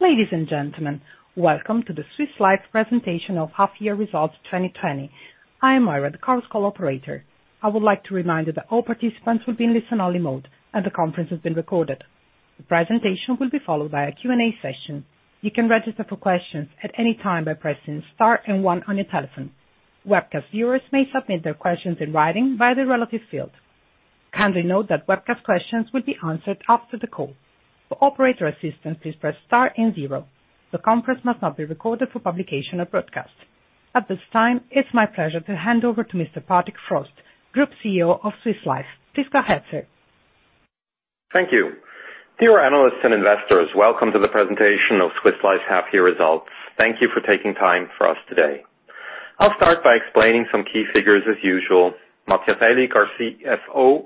Ladies and gentlemen, welcome to the Swiss Life presentation of half year results 2020. I am Ira, the conference call operator. I would like to remind you that all participants will be in listen-only mode and the conference is being recorded. The presentation will be followed by a Q&A session. You can register for questions at any time by pressing star and one on your telephone. Webcast viewers may submit their questions in writing via the relative field. Kindly note that webcast questions will be answered after the call. For operator assistance, please press star and zero. The conference must not be recorded for publication or broadcast. At this time, it's my pleasure to hand over to Mr. Patrick Frost, Group CEO of Swiss Life. Thank you. Dear analysts and investors, welcome to the presentation of Swiss Life half-year results. Thank you for taking time for us today. I'll start by explaining some key figures as usual. Matthias Aellig, our CFO,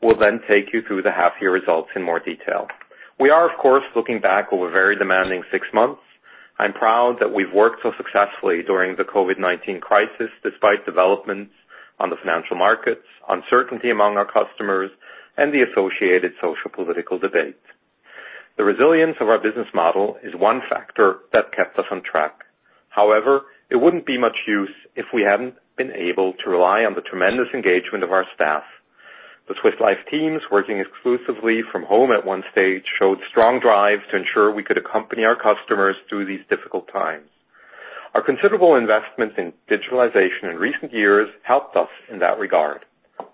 will then take you through the half year results in more detail. We are, of course, looking back over a very demanding six months. I'm proud that we've worked so successfully during the COVID-19 crisis, despite developments on the financial markets, uncertainty among our customers, and the associated sociopolitical debates. The resilience of our business model is one factor that kept us on track. However, it wouldn't be much use if we hadn't been able to rely on the tremendous engagement of our staff. The Swiss Life teams, working exclusively from home at one stage, showed strong drive to ensure we could accompany our customers through these difficult times. Our considerable investments in digitalization in recent years helped us in that regard.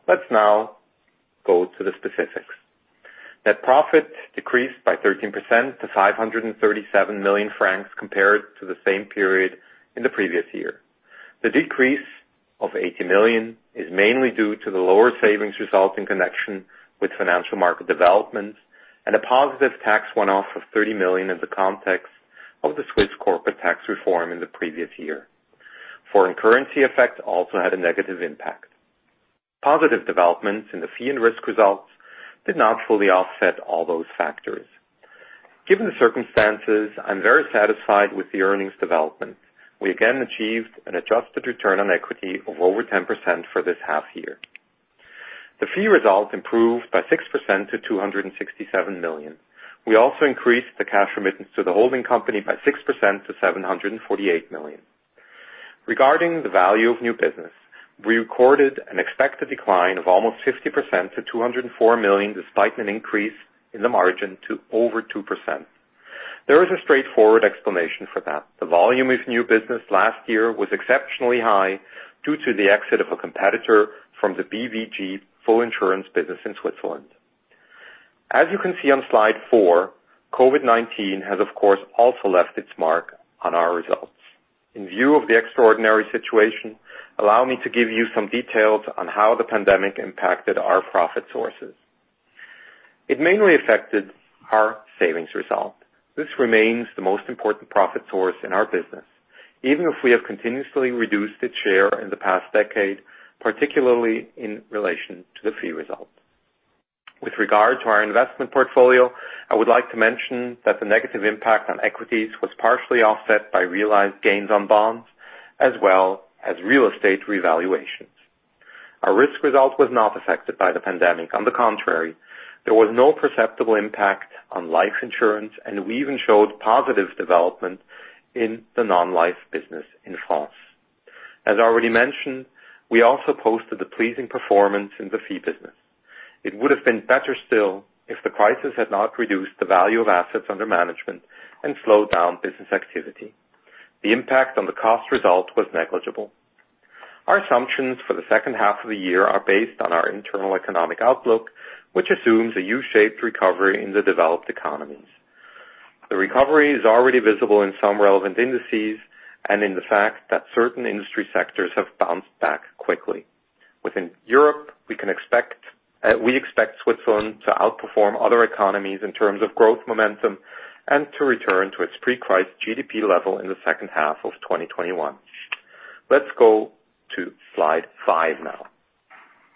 Let's now go to the specifics. Net profit decreased by 13% to 537 million francs compared to the same period in the previous year. The decrease of 80 million is mainly due to the lower savings result in connection with financial market developments and a positive tax one-off of 30 million in the context of the Swiss Corporate Tax Reform in the previous year. Foreign currency effect also had a negative impact. Positive developments in the fee and risk results did not fully offset all those factors. Given the circumstances, I'm very satisfied with the earnings development. We again achieved an adjusted return on equity of over 10% for this half year. The fee result improved by 6% to 267 million. We also increased the cash remittance to the holding company by 6% to 748 million. Regarding the value of new business, we recorded an expected decline of almost 50% to 204 million, despite an increase in the margin to over 2%. There is a straightforward explanation for that. The volume of new business last year was exceptionally high due to the exit of a competitor from the BVG full insurance business in Switzerland. You can see on slide 4, COVID-19 has of course also left its mark on our results. In view of the extraordinary situation, allow me to give you some details on how the pandemic impacted our profit sources. It mainly affected our savings result. This remains the most important profit source in our business, even if we have continuously reduced its share in the past decade, particularly in relation to the fee result. With regard to our investment portfolio, I would like to mention that the negative impact on equities was partially offset by realized gains on bonds, as well as real estate revaluations. Our risk result was not affected by the pandemic. On the contrary, there was no perceptible impact on life insurance, and we even showed positive development in the non-life business in France. As already mentioned, we also posted a pleasing performance in the fee business. It would have been better still if the crisis had not reduced the value of assets under management and slowed down business activity. The impact on the cost result was negligible. Our assumptions for the second half of the year are based on our internal economic outlook, which assumes a U-shaped recovery in the developed economies. The recovery is already visible in some relevant indices and in the fact that certain industry sectors have bounced back quickly. Within Europe, we expect Switzerland to outperform other economies in terms of growth momentum and to return to its pre-crisis GDP level in the second half of 2021. Let's go to slide 5 now.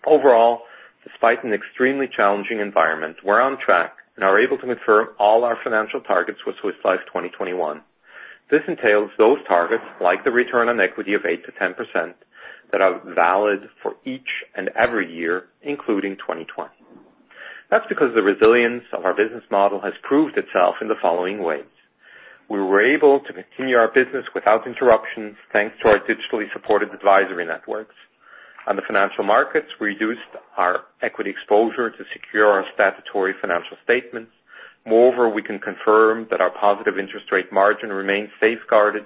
Overall, despite an extremely challenging environment, we're on track and are able to confirm all our financial targets for Swiss Life 2021. This entails those targets, like the return on equity of 8%-10%, that are valid for each and every year, including 2020. That's because the resilience of our business model has proved itself in the following ways. We were able to continue our business without interruptions, thanks to our digitally supported advisory networks. On the financial markets, we reduced our equity exposure to secure our statutory financial statements. Moreover, we can confirm that our positive interest rate margin remains safeguarded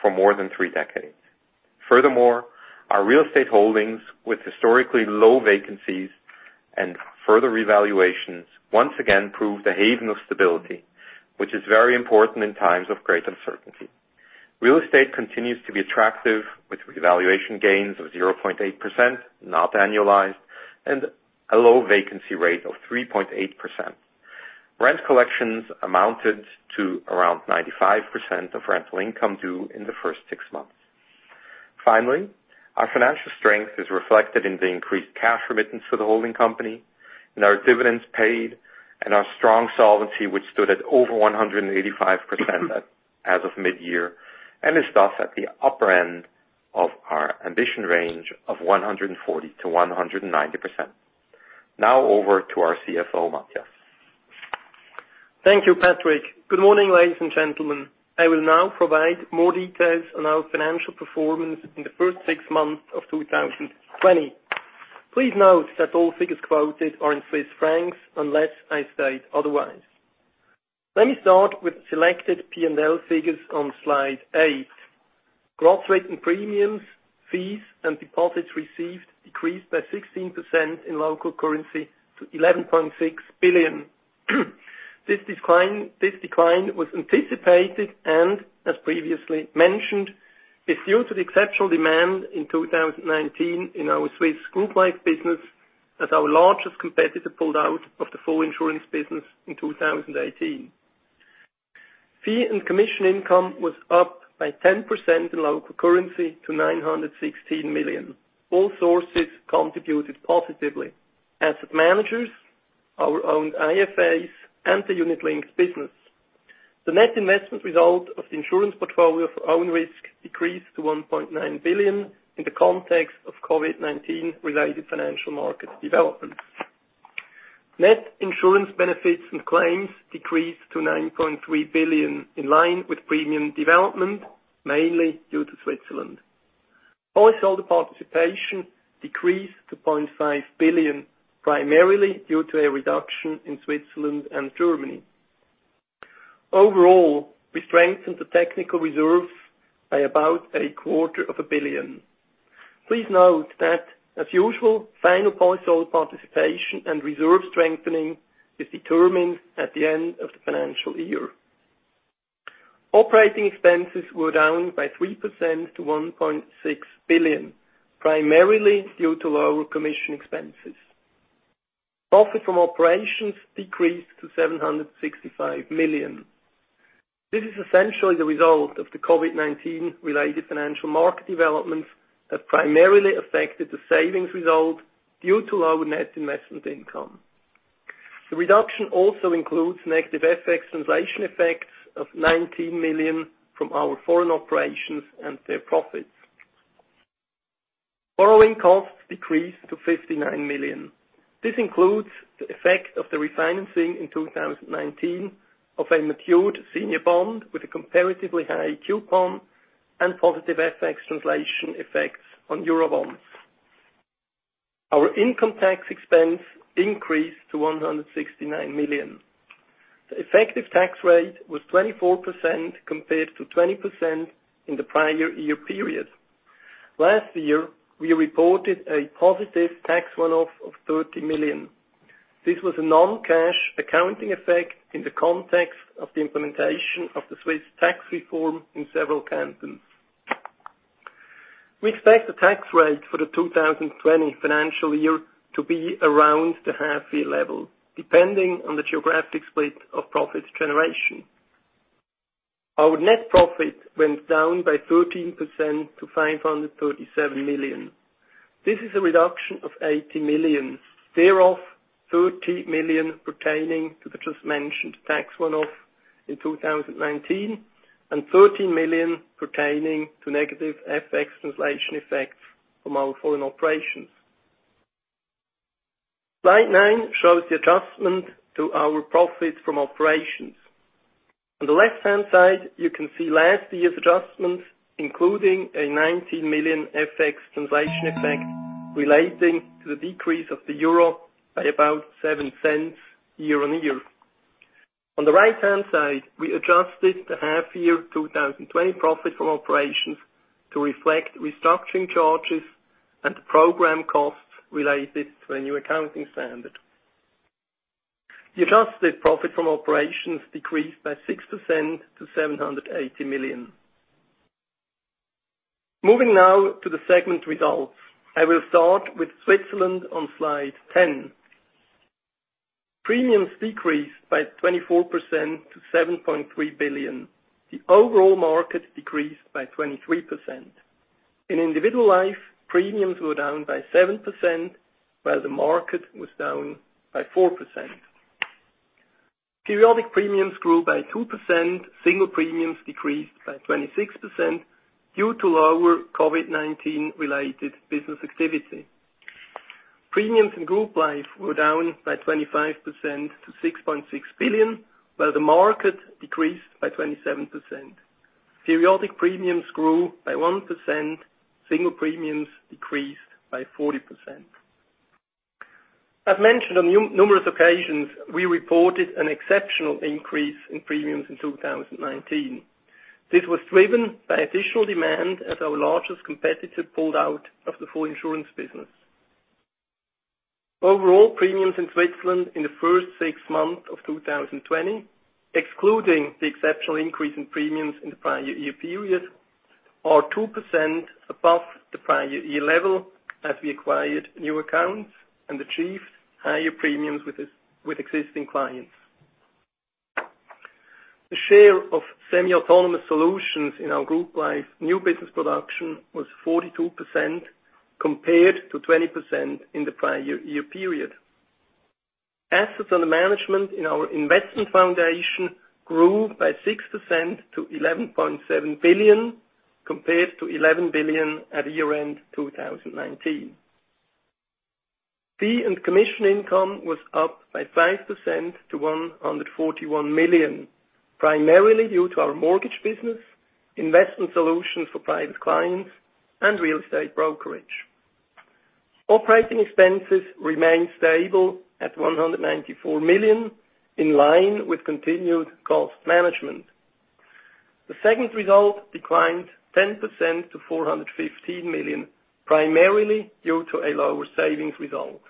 for more than three decades. Furthermore, our real estate holdings with historically low vacancies and further revaluations once again proved a haven of stability, which is very important in times of great uncertainty. Real estate continues to be attractive with revaluation gains of 0.8%, not annualized, and a low vacancy rate of 3.8%. Rent collections amounted to around 95% of rental income due in the first six months. Finally, our financial strength is reflected in the increased cash remittance to the holding company, in our dividends paid, and our strong solvency, which stood at over 185% as of mid-year, and is thus at the upper end of our ambition range of 140%-190%. Now over to our CFO, Matthias. Thank you, Patrick. Good morning, ladies and gentlemen. I will now provide more details on our financial performance in the first six months of 2020. Please note that all figures quoted are in Swiss francs unless I state otherwise. Let me start with selected P&L figures on Slide 8. Growth rate and premiums, fees, and deposits received decreased by 16% in local currency to 11.6 billion. This decline was anticipated and, as previously mentioned, is due to the exceptional demand in 2019 in our Swiss group life business as our largest competitor pulled out of the full insurance business in 2018. Fee and commission income was up by 10% in local currency to 916 million. All sources contributed positively: Asset managers, our own IFAs, and the unit-linked business. The net investment result of the insurance portfolio for own risk decreased to 1.9 billion in the context of COVID-19 related financial market development. Net insurance benefits and claims decreased to 9.3 billion in line with premium development, mainly due to Switzerland. Policyholder participation decreased to 0.5 billion, primarily due to a reduction in Switzerland and Germany. Overall, we strengthened the technical reserve by about a quarter of a billion. Please note that, as usual, final policyholder participation and reserve strengthening is determined at the end of the financial year. Operating expenses were down by 3% to 1.6 billion, primarily due to lower commission expenses. Profit from operations decreased to 765 million. This is essentially the result of the COVID-19 related financial market developments that primarily affected the savings result due to lower net investment income. The reduction also includes negative FX translation effects of 19 million from our foreign operations and their profits. Borrowing costs decreased to 59 million. This includes the effect of the refinancing in 2019 of a matured senior bond with a comparatively high coupon and positive FX translation effects on Euro bonds. Our income tax expense increased to 169 million. The effective tax rate was 24% compared to 20% in the prior year period. Last year, we reported a positive tax one-off of 30 million. This was a non-cash accounting effect in the context of the implementation of the Swiss tax reform in several cantons. We expect the tax rate for the 2020 financial year to be around the half year level, depending on the geographic split of profit generation. Our net profit went down by 13% to 537 million. This is a reduction of 80 million, thereof 30 million pertaining to the just mentioned tax one-off in 2019 and 13 million pertaining to negative FX translation effects from our foreign operations. Slide 9 shows the adjustment to our profit from operations. On the left-hand side, you can see last year's adjustments, including a 19 million FX translation effect relating to the decrease of the Euro by about 0.07 year on year. On the right-hand side, we adjusted the half year 2020 profit from operations to reflect restructuring charges and program costs related to a new accounting standard. The adjusted profit from operations decreased by 6% to 780 million. Moving now to the segment results. I will start with Switzerland on Slide 10. Premiums decreased by 24% to 7.3 billion. The overall market decreased by 23%. In individual life, premiums were down by 7%, while the market was down by 4%. Periodic premiums grew by 2%. Single premiums decreased by 26% due to lower COVID-19 related business activity. Premiums in group life were down by 25% to 6.6 billion, while the market decreased by 27%. Periodic premiums grew by 1%. Single premiums decreased by 40%. I've mentioned on numerous occasions we reported an exceptional increase in premiums in 2019. This was driven by additional demand as our largest competitor pulled out of the full insurance business. Overall, premiums in Switzerland in the first six months of 2020, excluding the exceptional increase in premiums in the prior year period, are 2% above the prior year level as we acquired new accounts and achieved higher premiums with existing clients. The share of semi-autonomous solutions in our group life new business production was 42% compared to 20% in the prior year period. Assets under management in our investment foundation grew by 6% to 11.7 billion, compared to 11 billion at year-end 2019. Fee and commission income was up by 5% to 141 million, primarily due to our mortgage business, investment solutions for private clients, and real estate brokerage. Operating expenses remained stable at 194 million, in line with continued cost management. The segment result declined 10% to 415 million, primarily due to a lower savings result.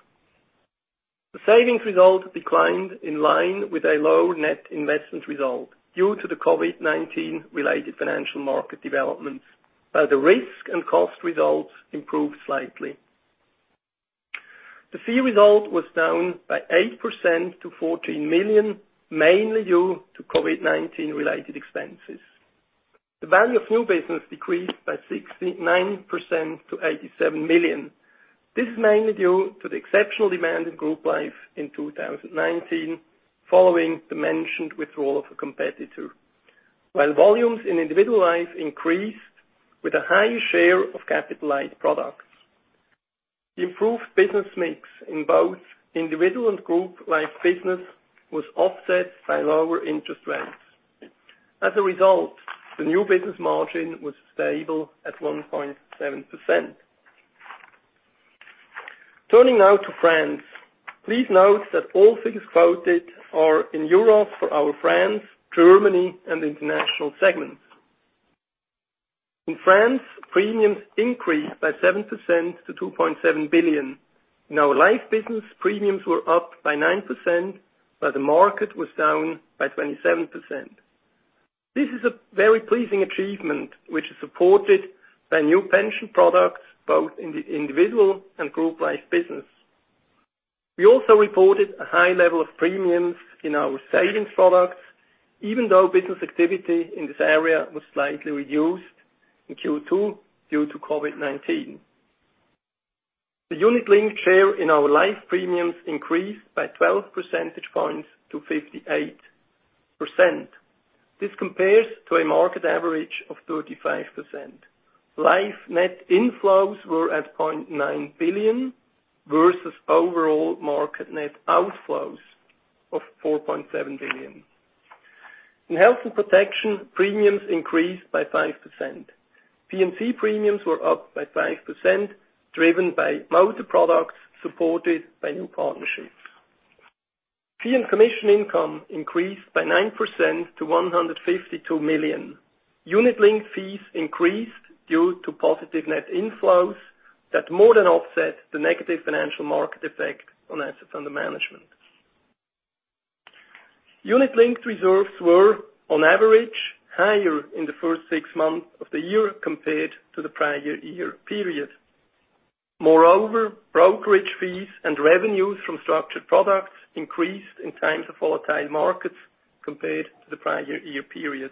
The savings result declined in line with a lower net investment result due to the COVID-19 related financial market developments, while the risk and cost results improved slightly. The fee result was down by 8% to 14 million, mainly due to COVID-19 related expenses. The value of new business decreased by 69% to 87 million. This is mainly due to the exceptional demand in group life in 2019, following the mentioned withdrawal of a competitor. While volumes in individual life increased with a high share of capitalized products. The improved business mix in both individual and group life business was offset by lower interest rates. As a result, the new business margin was stable at 1.7%. Turning now to France. Please note that all figures quoted are in euros for our France, Germany, and international segments. In France, premiums increased by 7% to 2.7 billion. In our life business, premiums were up by 9%, while the market was down by 27%. This is a very pleasing achievement, which is supported by new pension products both in the individual and group life business. We also reported a high level of premiums in our savings products, even though business activity in this area was slightly reduced in Q2 due to COVID-19. The unit-linked share in our life premiums increased by 12 percentage points to 58%. This compares to a market average of 35%. Life net inflows were at 0.9 billion, versus overall market net outflows of 4.7 billion. In health and protection, premiums increased by 5%. P&C premiums were up by 5%, driven by motor products supported by new partnerships. Fee and commission income increased by 9% to 152 million. Unit-linked fees increased due to positive net inflows that more than offset the negative financial market effect on assets under management. Unit-linked reserves were, on average, higher in the first six months of the year compared to the prior year period. Moreover, brokerage fees and revenues from structured products increased in times of volatile markets compared to the prior year period.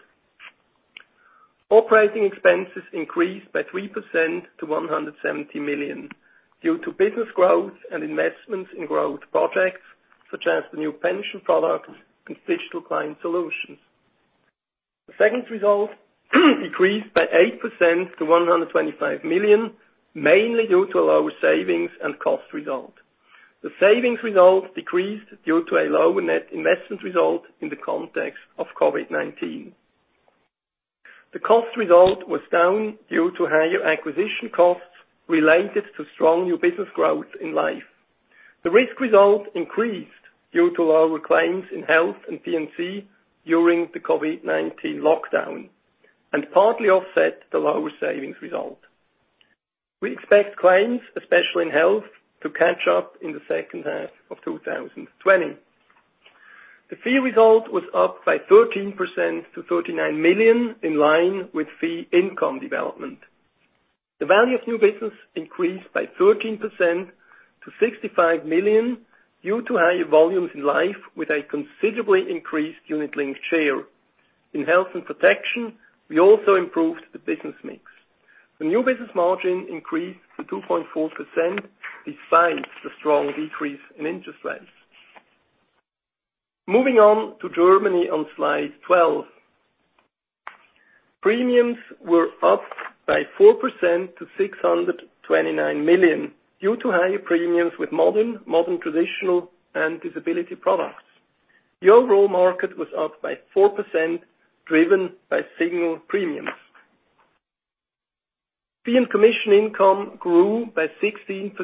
Operating expenses increased by 3% to 170 million due to business growth and investments in growth projects, such as the new pension product and digital client solutions. The segment result decreased by 8% to 125 million, mainly due to lower savings and cost result. The savings result decreased due to a lower net investment result in the context of COVID-19. The cost result was down due to higher acquisition costs related to strong new business growth in life. The risk result increased due to lower claims in health and P&C during the COVID-19 lockdown, and partly offset the lower savings result. We expect claims, especially in health, to catch up in the second half of 2020. The fee result was up by 13% to 39 million, in line with fee income development. The value of new business increased by 13% to 65 million due to higher volumes in life, with a considerably increased unit-linked share. In health and protection, we also improved the business mix. The new business margin increased to 2.4% despite the strong decrease in interest rates. Moving on to Germany on slide 12. Premiums were up by 4% to 629 million due to higher premiums with modern traditional and disability products. The overall market was up by 4%, driven by single premiums. Fee and commission income grew by 16%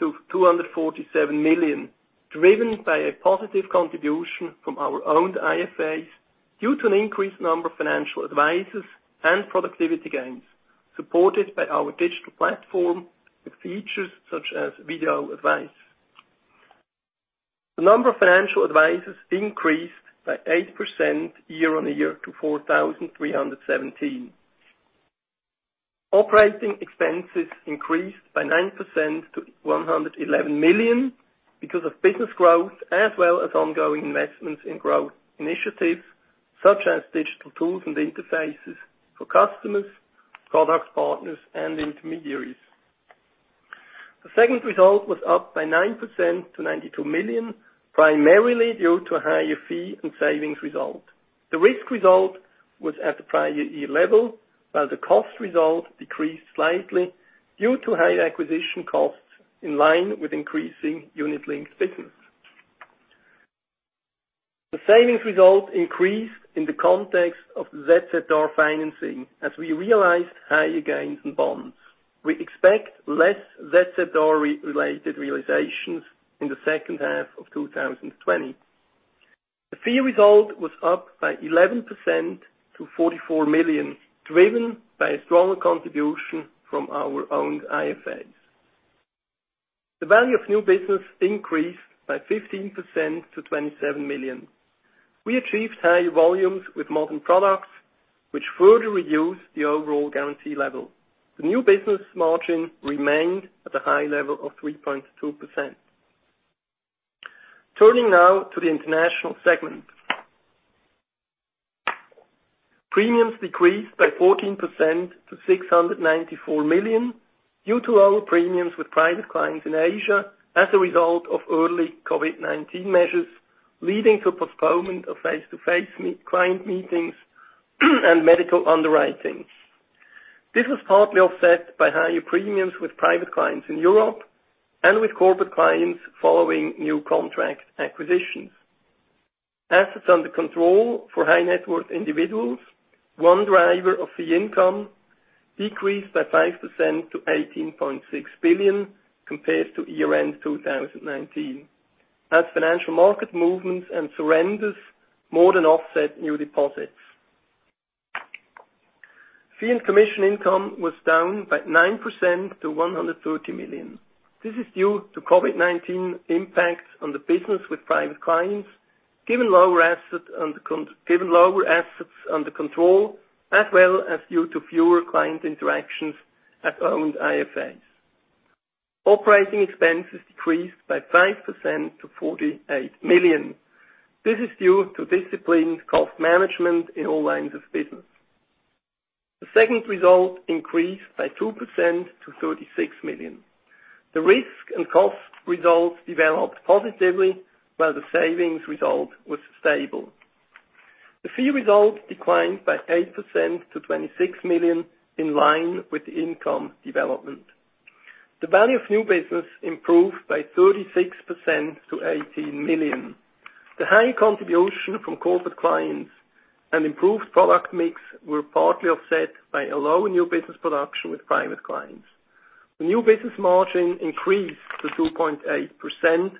to 247 million, driven by a positive contribution from our owned IFAs due to an increased number of financial advisors and productivity gains supported by our digital platform with features such as video advice. The number of financial advisors increased by 8% year-over-year to 4,317. Operating expenses increased by 9% to 111 million because of business growth as well as ongoing investments in growth initiatives, such as digital tools and interfaces for customers, partners and intermediaries. The segment result was up by 9% to 92 million, primarily due to higher fee and savings result. The risk result was at the prior year level, while the cost result decreased slightly due to higher acquisition costs in line with increasing unit-linked business. The savings result increased in the context of ZZR financing as we realized higher gains in bonds. We expect less ZZR-related realizations in the second half of 2020. The fee result was up by 11% to 44 million, driven by a stronger contribution from our owned IFAs. The value of new business increased by 15% to 27 million. We achieved higher volumes with modern products, which further reduced the overall guarantee level. The new business margin remained at a high level of 3.2%. Turning now to the international segment. Premiums decreased by 14% to 694 million due to lower premiums with private clients in Asia as a result of early COVID-19 measures, leading to postponement of face-to-face client meetings and medical underwriting. This was partly offset by higher premiums with private clients in Europe and with corporate clients following new contract acquisitions. Assets under control for high net worth individuals, one driver of fee income, decreased by 5% to 18.6 billion compared to year-end 2019. As financial market movements and surrenders more than offset new deposits. Fee and commission income was down by 9% to 130 million. This is due to COVID-19 impact on the business with private clients, given lower assets under control, as well as due to fewer client interactions at owned IFAs. Operating expenses decreased by 5% to 48 million. This is due to disciplined cost management in all lines of business. The segment result increased by 2% to 36 million. The risk and cost results developed positively while the savings result was stable. The fee result declined by 8% to 26 million in line with the income development. The value of new business improved by 36% to 18 million. The high contribution from corporate clients and improved product mix were partly offset by a low new business production with private clients. The new business margin increased to 2.8%,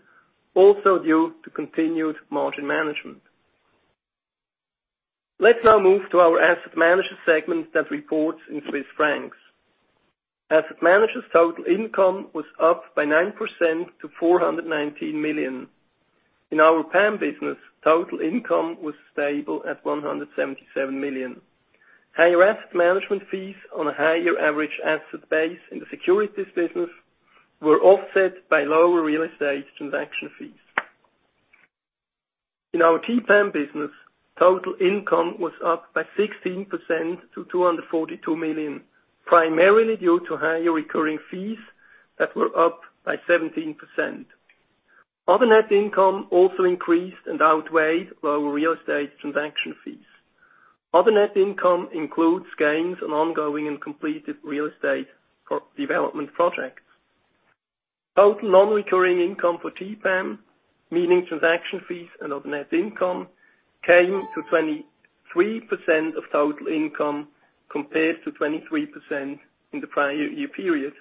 also due to continued margin management. Let's now move to our asset manager segment that reports in Swiss francs. Asset managers total income was up by 9% to 419 million. In our PAM business, total income was stable at 177 million. Higher asset management fees on a higher average asset base in the securities business were offset by lower real estate transaction fees. In our TPAM business, total income was up by 16% to 242 million, primarily due to higher recurring fees that were up by 17%. Other net income also increased and outweighed lower real estate transaction fees. Other net income includes gains on ongoing and completed real estate development projects. Total non-recurring income for TPAM, meaning transaction fees and other net income, came to 23% of total income compared to 23% in the prior year period.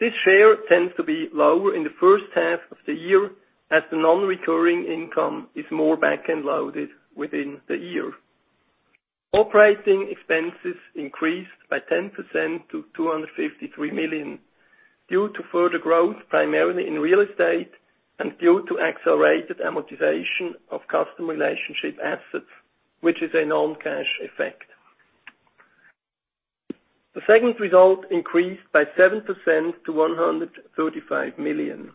This share tends to be lower in the first half of the year as the non-recurring income is more back-end loaded within the year. Operating expenses increased by 10% to 253 million due to further growth, primarily in real estate and due to accelerated amortization of customer relationship assets, which is a non-cash effect. The segment result increased by 7% to 135 million.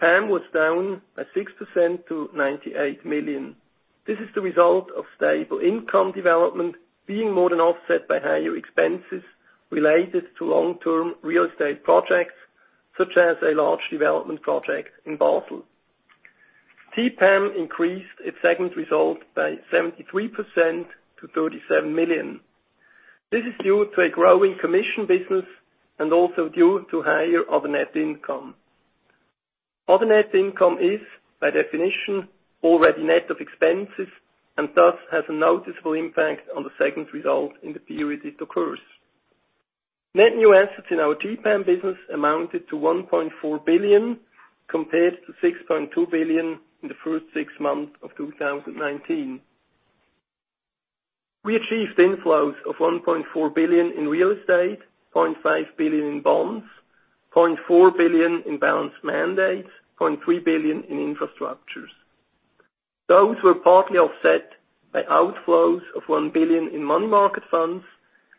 PAM was down by 6% to 98 million. This is the result of stable income development being more than offset by higher expenses related to long-term real estate projects, such as a large development project in Basel. TPAM increased its segment result by 73% to 37 million. This is due to a growing commission business and also due to higher other net income. Other net income is, by definition, already net of expenses and thus has a noticeable impact on the segment result in the period it occurs. Net new assets in our TPAM business amounted to 1.4 billion, compared to 6.2 billion in the first six months of 2019. We achieved inflows of 1.4 billion in real estate, 0.5 billion in bonds, 0.4 billion in balanced mandates, 0.3 billion in infrastructures. Those were partly offset by outflows of 1 billion in money market funds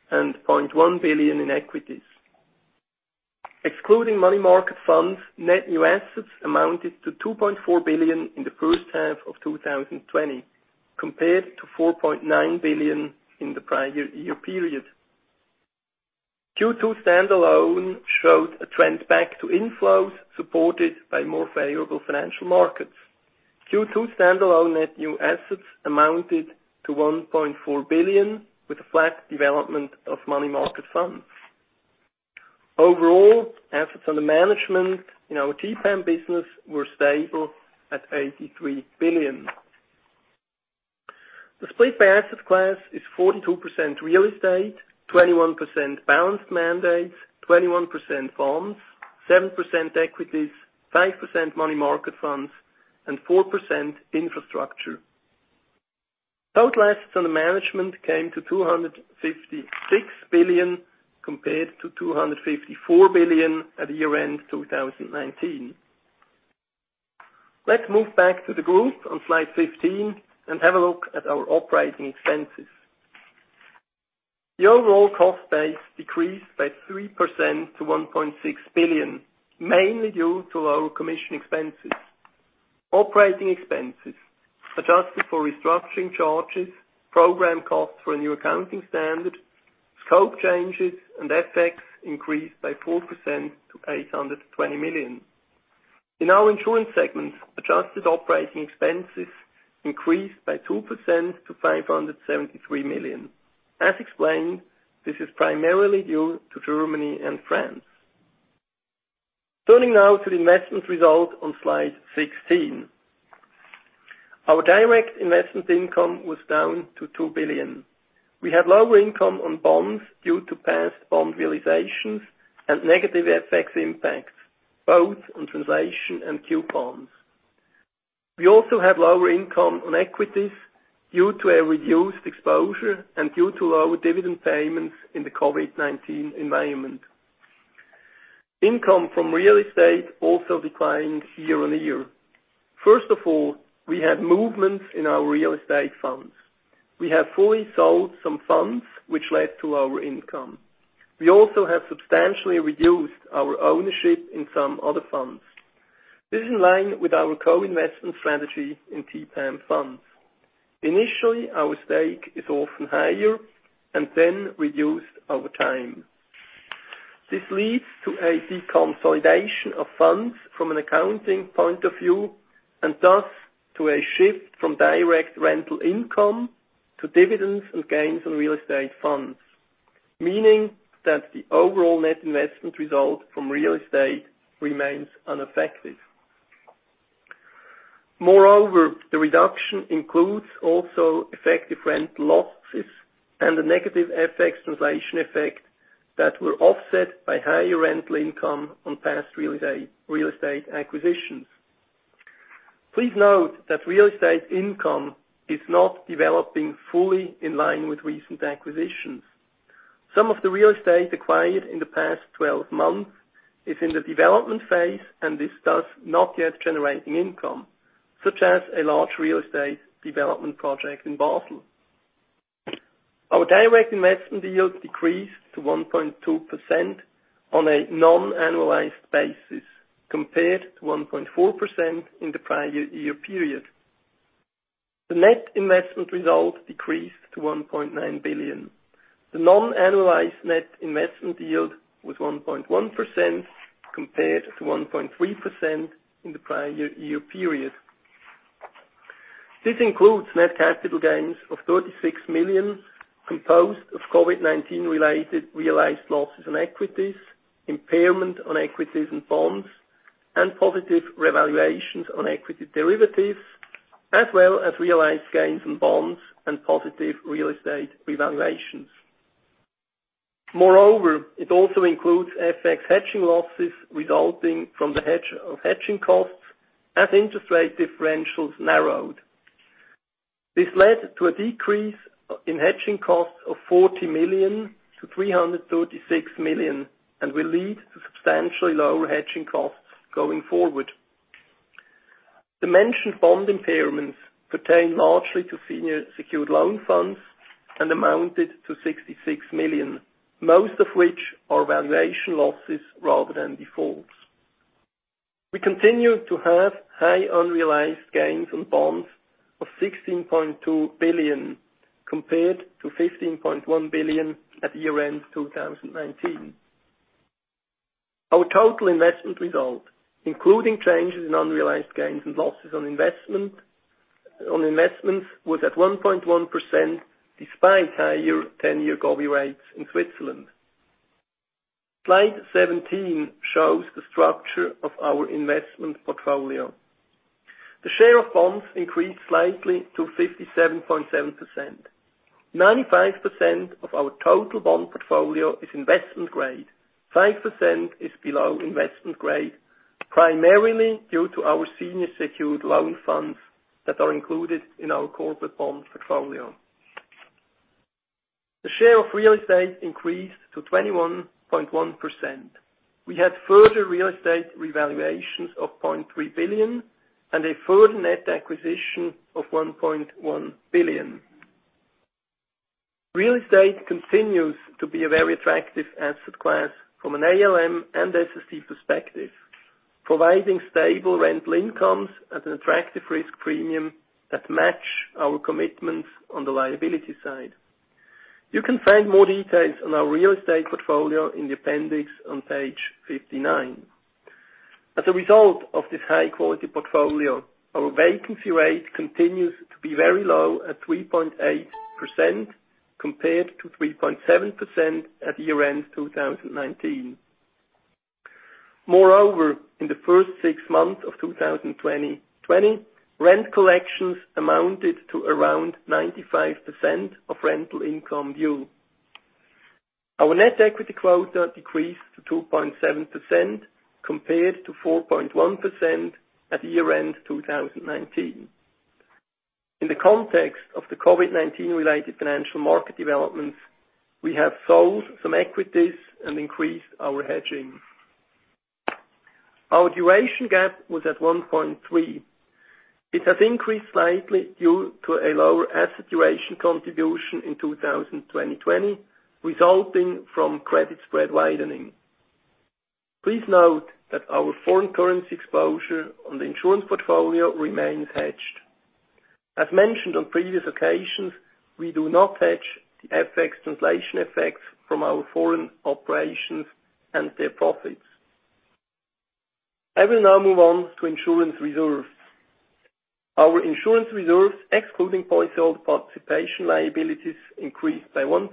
and 0.1 billion in equities. Excluding money market funds, net new assets amounted to 2.4 billion in the first half of 2020, compared to 4.9 billion in the prior year period. Q2 standalone showed a trend back to inflows supported by more favorable financial markets. Q2 standalone net new assets amounted to 1.4 billion, with a flat development of money market funds. Overall, assets under management in our TPAM business were stable at 83 billion. The split by asset class is 42% real estate, 21% balanced mandates, 21% bonds, 7% equities, 5% money market funds, and 4% infrastructure. Total assets under management came to 256 billion compared to 254 billion at year-end 2019. Let's move back to the group on slide 15 and have a look at our operating expenses. The overall cost base decreased by 3% to 1.6 billion, mainly due to lower commission expenses. Operating expenses, adjusted for restructuring charges, program costs for a new accounting standard, scope changes, and FX increased by 4% to 820 million. In our insurance segment, adjusted operating expenses increased by 2% to 573 million. As explained, this is primarily due to Germany and France. Turning now to the investment result on slide 16. Our direct investment income was down to 2 billion. We had lower income on bonds due to past bond realizations and negative FX impacts, both on translation and coupons. We also had lower income on equities due to a reduced exposure and due to lower dividend payments in the COVID-19 environment. Income from real estate also declined year on year. First of all, we had movements in our real estate funds. We have fully sold some funds which led to lower income. We also have substantially reduced our ownership in some other funds. This is in line with our co-investment strategy in TPAM funds. Initially, our stake is often higher and then reduced over time. This leads to a deconsolidation of funds from an accounting point of view, and thus to a shift from direct rental income to dividends and gains on real estate funds, meaning that the overall net investment result from real estate remains unaffected. Moreover, the reduction includes also effective rent losses and the negative FX translation effect that were offset by higher rental income on past real estate acquisitions. Please note that real estate income is not developing fully in line with recent acquisitions. Some of the real estate acquired in the past 12 months is in the development phase, this does not yet generating income, such as a large real estate development project in Basel. Our direct investment yield decreased to 1.2% on a non-annualized basis compared to 1.4% in the prior year period. The net investment result decreased to 1.9 billion. The non-annualized net investment yield was 1.1%, compared to 1.3% in the prior year period. This includes net capital gains of 36 million, composed of COVID-19 related realized losses on equities, impairment on equities and bonds, and positive revaluations on equity derivatives, as well as realized gains on bonds and positive real estate revaluations. Moreover, it also includes FX hedging losses resulting from the hedge of hedging costs as interest rate differentials narrowed. This led to a decrease in hedging costs of 40 million to 336 million, and will lead to substantially lower hedging costs going forward. The mentioned bond impairments pertain largely to senior secured loan funds and amounted to 66 million, most of which are valuation losses rather than defaults. We continue to have high unrealized gains on bonds of 16.2 billion, compared to 15.1 billion at year-end 2019. Our total investment result, including changes in unrealized gains and losses on investments, was at 1.1%, despite higher 10-year govie rates in Switzerland. Slide 17 shows the structure of our investment portfolio. The share of bonds increased slightly to 57.7%. 95% of our total bond portfolio is investment grade, 5% is below investment grade, primarily due to our senior secured loan funds that are included in our corporate bond portfolio. The share of real estate increased to 21.1%. We had further real estate revaluations of 0.3 billion and a further net acquisition of 1.1 billion. Real estate continues to be a very attractive asset class from an ALM and SST perspective, providing stable rental incomes at an attractive risk premium that match our commitments on the liability side. You can find more details on our real estate portfolio in the appendix on page 59. As a result of this high-quality portfolio, our vacancy rate continues to be very low at 3.8% compared to 3.7% at year-end 2019. Moreover, in the first six months of 2020, rent collections amounted to around 95% of rental income due. Our net equity quota decreased to 2.7% compared to 4.1% at year-end 2019. In the context of the COVID-19 related financial market developments, we have sold some equities and increased our hedging. Our duration gap was at 1.3. It has increased slightly due to a lower asset duration contribution in 2020, resulting from credit spread widening. Please note that our foreign currency exposure on the insurance portfolio remains hedged. As mentioned on previous occasions, we do not hedge the FX translation effects from our foreign operations and their profits. I will now move on to insurance reserves. Our insurance reserves, excluding policyholder participation liabilities, increased by 1%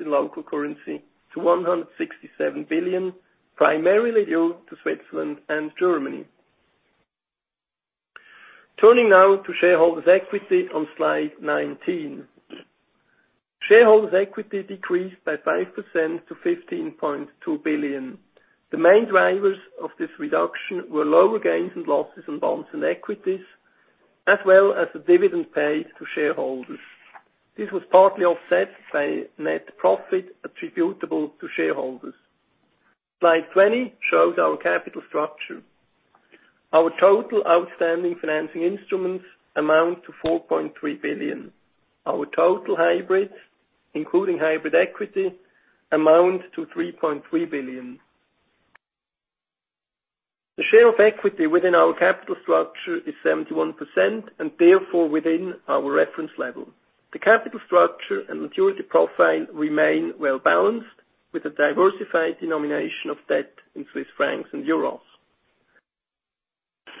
in local currency to 167 billion, primarily due to Switzerland and Germany. Turning now to shareholders' equity on slide 19. Shareholders' equity decreased by 5% to 15.2 billion. The main drivers of this reduction were lower gains and losses on bonds and equities, as well as the dividend paid to shareholders. This was partly offset by net profit attributable to shareholders. Slide 20 shows our capital structure. Our total outstanding financing instruments amount to 4.3 billion. Our total hybrids, including hybrid equity, amount to 3.3 billion. The share of equity within our capital structure is 71% and therefore within our reference level. The capital structure and maturity profile remain well-balanced with a diversified denomination of debt in Swiss francs and euros.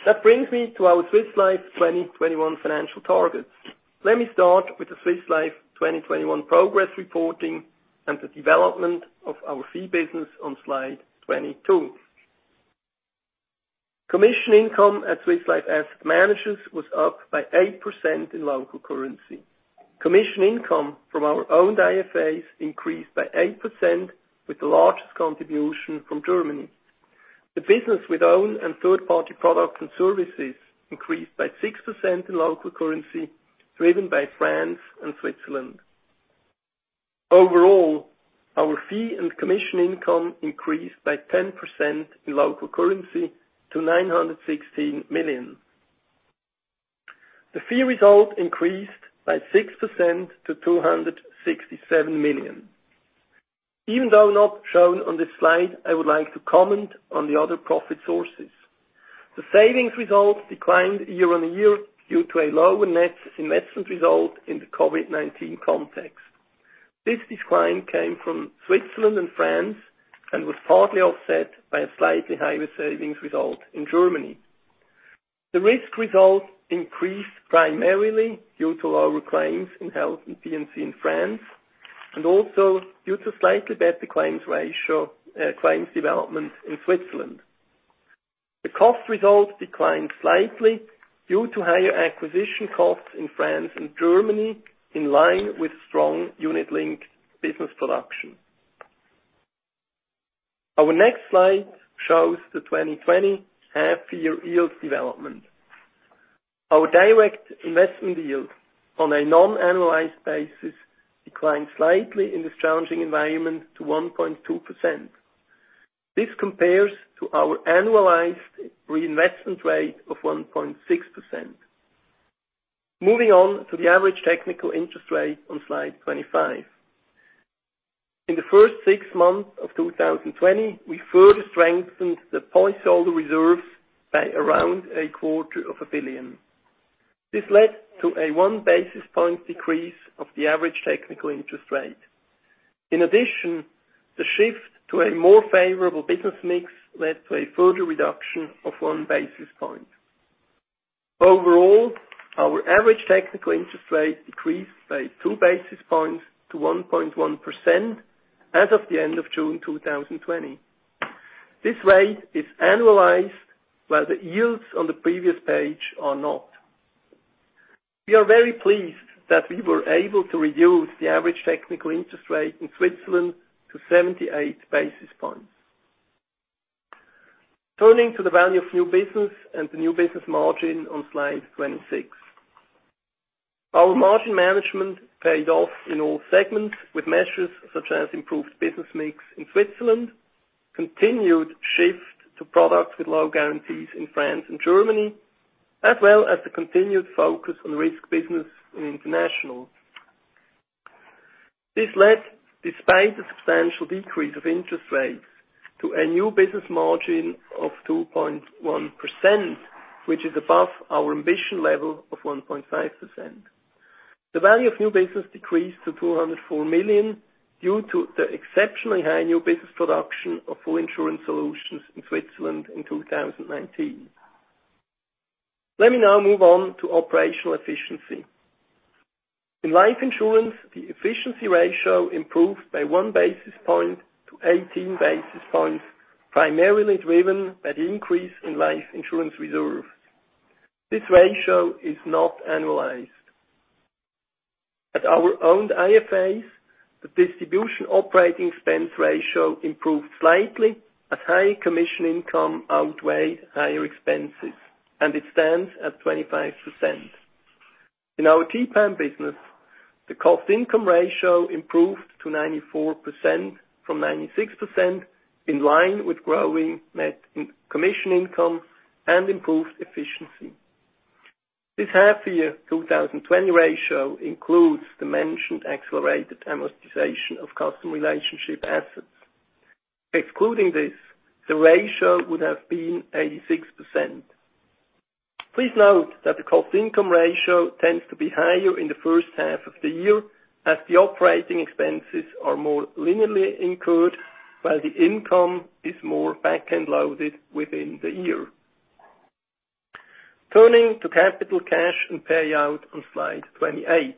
That brings me to our Swiss Life 2021 financial targets. Let me start with the Swiss Life 2021 progress reporting and the development of our fee business on slide 22. Commission income at Swiss Life asset managers was up by 8% in local currency. Commission income from our owned IFAs increased by 8% with the largest contribution from Germany. The business with own and third-party products and services increased by 6% in local currency, driven by France and Switzerland. Overall, our fee and commission income increased by 10% in local currency to 916 million. The fee result increased by 6% to 267 million. Even though not shown on this slide, I would like to comment on the other profit sources. The savings results declined year on year due to a lower net investment result in the COVID-19 context. This decline came from Switzerland and France and was partly offset by a slightly higher savings result in Germany. The risk result increased primarily due to lower claims in health and P&C in France, and also due to slightly better claims development in Switzerland. The cost result declined slightly due to higher acquisition costs in France and Germany, in line with strong unit-linked business production. Our next slide shows the 2020 half year yield development. Our direct investment yield on a non-annualized basis declined slightly in this challenging environment to 1.2%. This compares to our annualized reinvestment rate of 1.6%. Moving on to the average technical interest rate on slide 25. In the first six months of 2020, we further strengthened the policyholder reserves by around a quarter of a billion. This led to a one basis point decrease of the average technical interest rate. In addition, the shift to a more favorable business mix led to a further reduction of one basis point. Overall, our average technical interest rate decreased by two basis points to 1.1% as of the end of June 2020. This rate is annualized, while the yields on the previous page are not. We are very pleased that we were able to reduce the average technical interest rate in Switzerland to 78 basis points. Turning to the value of new business and the new business margin on slide 26. Our margin management paid off in all segments with measures such as improved business mix in Switzerland, continued shift to products with low guarantees in France and Germany. The continued focus on risk business in international. This led, despite the substantial decrease of interest rates, to a new business margin of 2.1%, which is above our ambition level of 1.5%. The value of new business decreased to 204 million due to the exceptionally high new business production of full insurance solutions in Switzerland in 2019. Let me now move on to operational efficiency. In life insurance, the efficiency ratio improved by one basis point to 18 basis points, primarily driven by the increase in life insurance reserves. This ratio is not annualized. At our owned IFAs, the distribution operating expense ratio improved slightly as high commission income outweighed higher expenses, and it stands at 25%. In our TPAM business, the cost income ratio improved to 94% from 96%, in line with growing net commission income and improved efficiency. This half year 2020 ratio includes the mentioned accelerated amortization of customer relationship assets. Excluding this, the ratio would have been 86%. Please note that the cost income ratio tends to be higher in the first half of the year, as the operating expenses are more linearly incurred, while the income is more back-end loaded within the year. Turning to capital cash and payout on slide 28.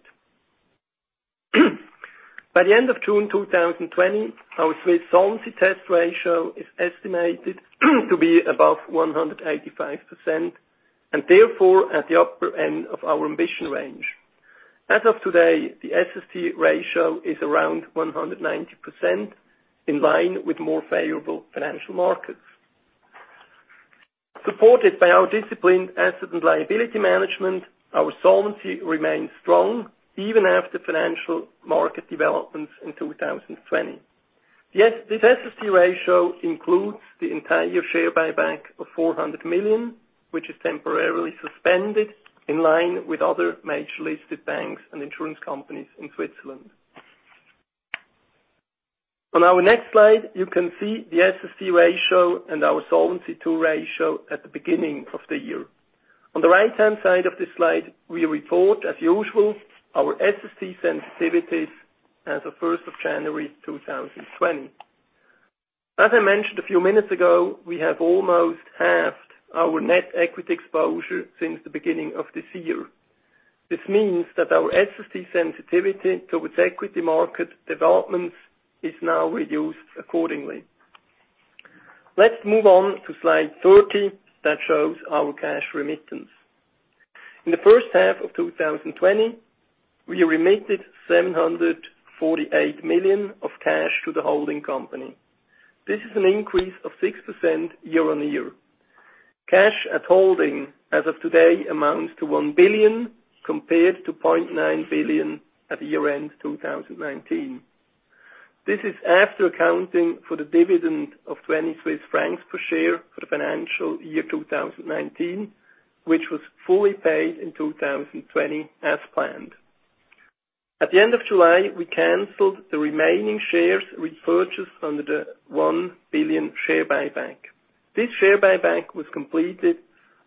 By the end of June 2020, our Swiss solvency test ratio is estimated to be above 185%, and therefore, at the upper end of our ambition range. As of today, the SST ratio is around 190%, in line with more favorable financial markets. Supported by our disciplined asset and liability management, our solvency remains strong even after financial market developments in 2020. This SST ratio includes the entire share buyback of 400 million, which is temporarily suspended in line with other major-listed banks and insurance companies in Switzerland. On our next slide, you can see the SST ratio and our Solvency II ratio at the beginning of the year. On the right-hand side of this slide, we report, as usual, our SST sensitivities as of 1st of January 2020. As I mentioned a few minutes ago, we have almost halved our net equity exposure since the beginning of this year. This means that our SST sensitivity towards equity market developments is now reduced accordingly. Let's move on to slide 30 that shows our cash remittance. In the first half of 2020, we remitted 748 million of cash to the holding company. This is an increase of 6% year-on-year. Cash at holding as of today amounts to 1 billion compared to 0.9 billion at year-end 2019. This is after accounting for the dividend of 20 Swiss francs per share for the financial year 2019, which was fully paid in 2020 as planned. At the end of July, we canceled the remaining shares which purchased under the 1 billion share buyback. This share buyback was completed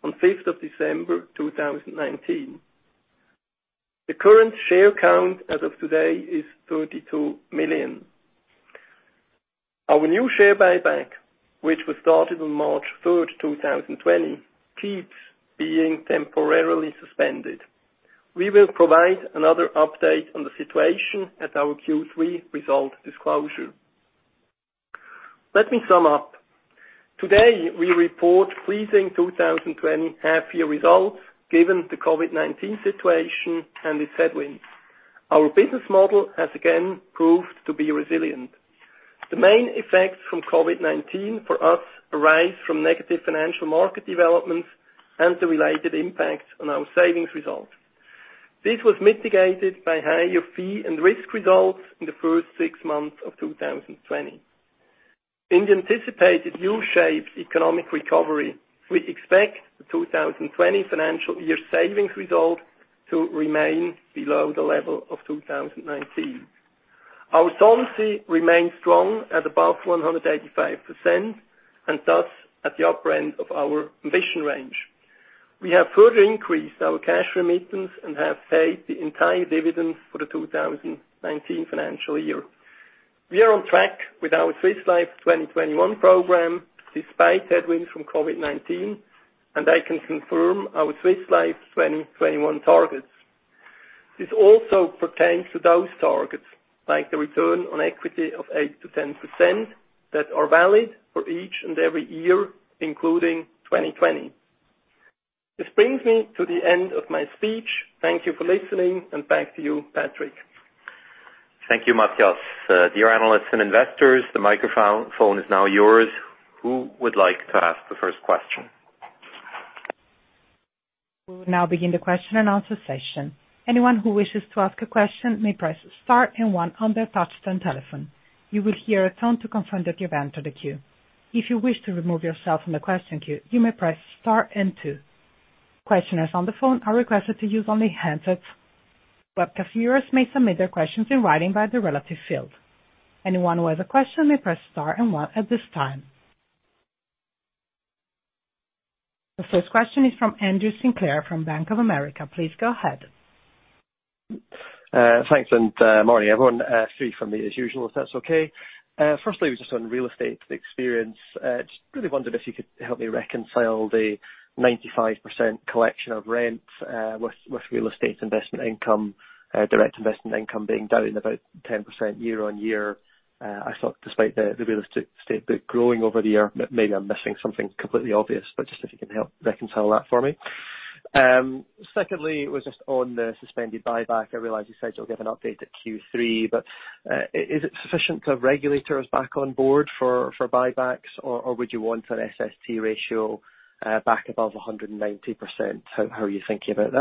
on December 5th 2019. The current share count as of today is 32 million. Our new share buyback, which was started on March 3rd, 2020, keeps being temporarily suspended. We will provide another update on the situation at our Q3 result disclosure. Let me sum up. Today, we report pleasing 2020 half year results given the COVID-19 situation and its headwinds. Our business model has again proved to be resilient. The main effects from COVID-19 for us arise from negative financial market developments and the related impacts on our savings results. This was mitigated by higher fee and risk results in the first six months of 2020. In the anticipated U-shaped economic recovery, we expect the 2020 financial year savings result to remain below the level of 2019. Our solvency remains strong at above 185% and thus at the upper end of our ambition range. We have further increased our cash remittance and have paid the entire dividend for the 2019 financial year. We are on track with our Swiss Life 2021 program despite headwinds from COVID-19, and I can confirm our Swiss Life 2021 targets. This also pertains to those targets, like the return on equity of 8% to 10%, that are valid for each and every year, including 2020. This brings me to the end of my speech. Thank you for listening, and back to you, Patrick. Thank you, Matthias. Dear analysts and investors, the microphone is now yours. Who would like to ask the first question? We will now begin the question and answer session. Anyone who wishes to ask a question may press star and one on their touchtone telephone. You will hear a tone to confirm that you've entered the queue. If you wish to remove yourself from the question queue, you may press star and two. Questioners on the phone are requested to use only handsets. Webcast viewers may submit their questions in writing via the relative field. Anyone who has a question may press star and one at this time. The first question is from Andrew Sinclair from Bank of America. Please go ahead. Thanks. Morning, everyone. Three from me as usual, if that's okay. Firstly, just on real estate experience. Just really wondered if you could help me reconcile the 95% collection of rents with real estate's investment income, direct investment income being down about 10% year-on-year. I thought despite the real estate bit growing over the year, maybe I'm missing something completely obvious, but just if you can help reconcile that for me. Secondly, was just on the suspended buyback. I realize you said you'll give an update at Q3, but is it sufficient to have regulators back on board for buybacks? Or would you want an SST ratio back above 190%? How are you thinking about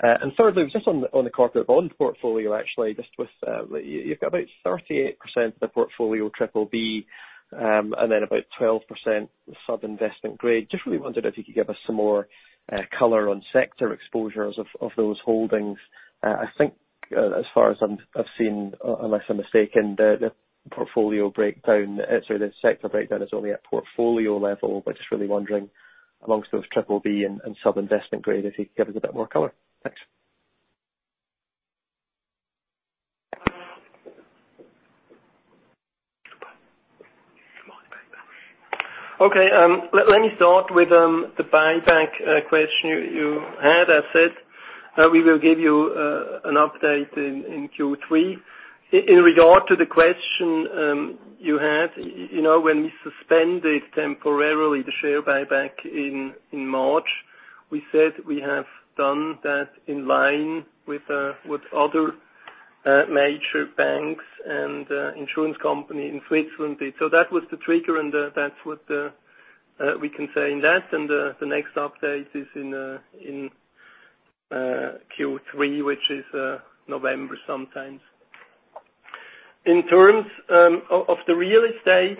that? Thirdly, just on the corporate bond portfolio, actually, you've got about 38% of the portfolio triple B, and then about 12% sub-investment grade. Just really wondered if you could give us some more color on sector exposures of those holdings. I think as far as I've seen, unless I'm mistaken, the sector breakdown is only at portfolio level. Just really wondering amongst those triple B and sub-investment grade, if you could give us a bit more color. Thanks. Let me start with the buyback question you had. As said, we will give you an update in Q3. In regard to the question you had, when we suspended temporarily the share buyback in March, we said we have done that in line with other major banks and insurance company in Switzerland. That was the trigger, and that's what we can say in that. The next update is in Q3, which is November sometime. In terms of the real estate,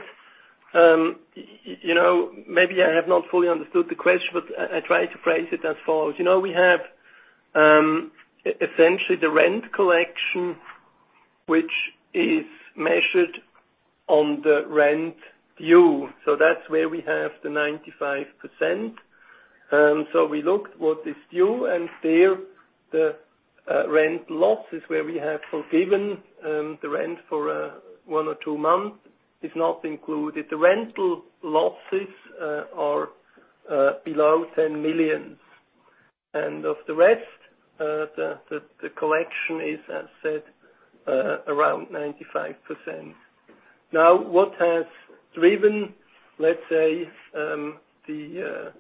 maybe I have not fully understood the question, but I try to phrase it as follows. We have essentially the rent collection, which is measured on the rent due. That's where we have the 95%. We looked what is due and there the rent loss is where we have forgiven the rent for one or two months is not included. The rental losses are below 10 million. Of the rest, the collection is, as said, around 95%. What has driven, let's say, the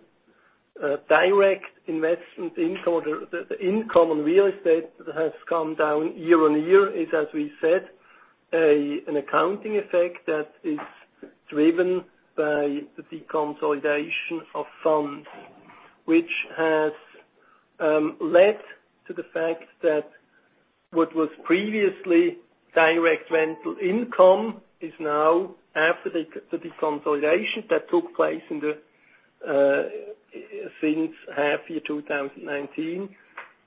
direct investment income or the income on real estate that has come down year-over-year is, as we said, an accounting effect that is driven by the deconsolidation of funds, which has led to the fact that what was previously direct rental income is now, after the deconsolidation that took place since half year 2019,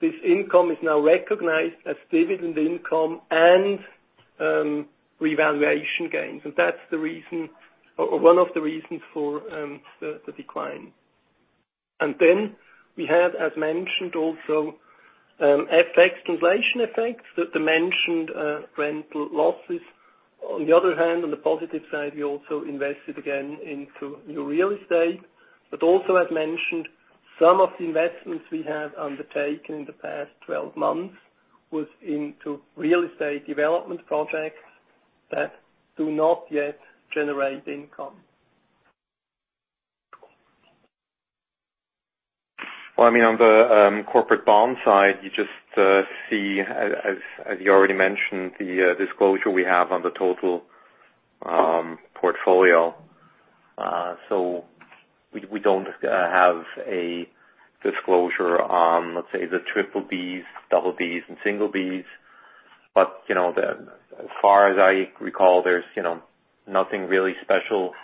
this income is now recognized as dividend income and revaluation gains. That's one of the reasons for the decline. Then we have, as mentioned also, FX translation effects, the mentioned rental losses. On the other hand, on the positive side, we also invested again into new real estate. Also, as mentioned, some of the investments we have undertaken in the past 12 months was into real estate development projects that do not yet generate income. On the corporate bond side, you just see, as you already mentioned, the disclosure we have on the total portfolio. We don't have a disclosure on, let's say, the triple Bs, double Bs, and single Bs. As far as I recall, there's nothing really special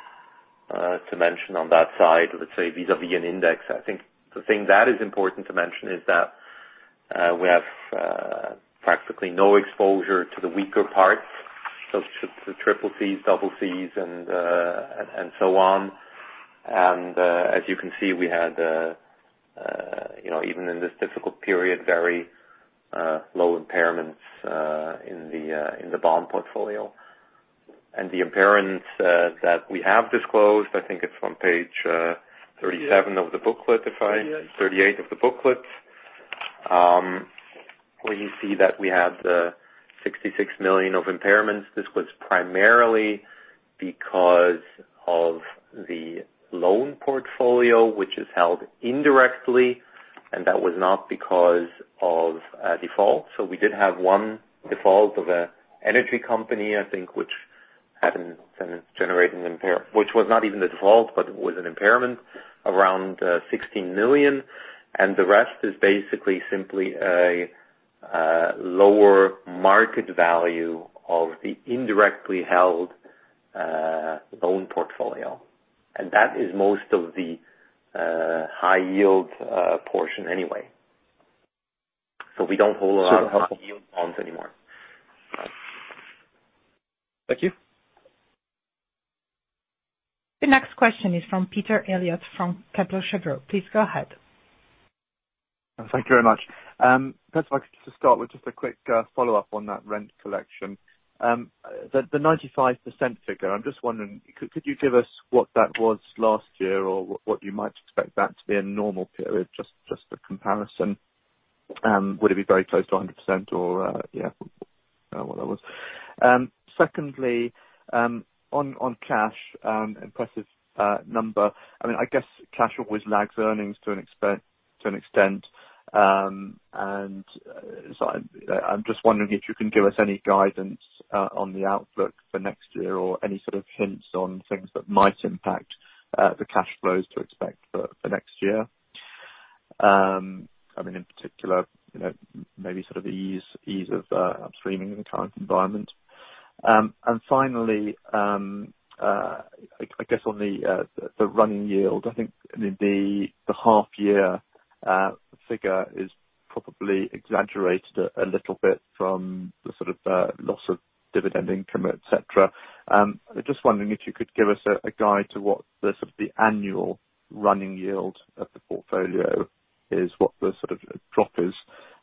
to mention on that side, let's say vis-à-vis an index. I think the thing that is important to mention is that we have practically no exposure to the weaker parts, so the triple Cs, double Cs, and so on. As you can see, we had, even in this difficult period, very low impairments in the bond portfolio. The impairments that we have disclosed. 38 37 of the booklet if 38. 38 of the booklet, where you see that we have the 66 million of impairments. This was primarily because of the loan portfolio, which is held indirectly, and that was not because of a default. So we did have one default of an energy company, I think, which had been generating impairment, which was not even a default, but was an impairment around 16 million. The rest is basically simply a lower market value of the indirectly held- loan portfolio, and that is most of the high-yield portion anyway. So we don't hold a lot of high-yield bonds anymore. Thank you. The next question is from Peter Eliot from Kepler Cheuvreux. Please go ahead. Thank you very much. If I could just start with just a quick follow-up on that rent collection. The 95% figure, I'm just wondering, could you give us what that was last year or what you might expect that to be in a normal period, just for comparison? Would it be very close to 100% or? What that was? On cash, impressive number. I guess cash always lags earnings to an extent. I'm just wondering if you can give us any guidance on the outlook for next year or any sort of hints on things that might impact the cash flows to expect for next year. In particular, maybe ease of up streaming in the current environment. Finally, I guess on the running yield, I think the half-year figure is probably exaggerated a little bit from the loss of dividend income, et cetera. I'm just wondering if you could give us a guide to what the annual running yield of the portfolio is, what the drop is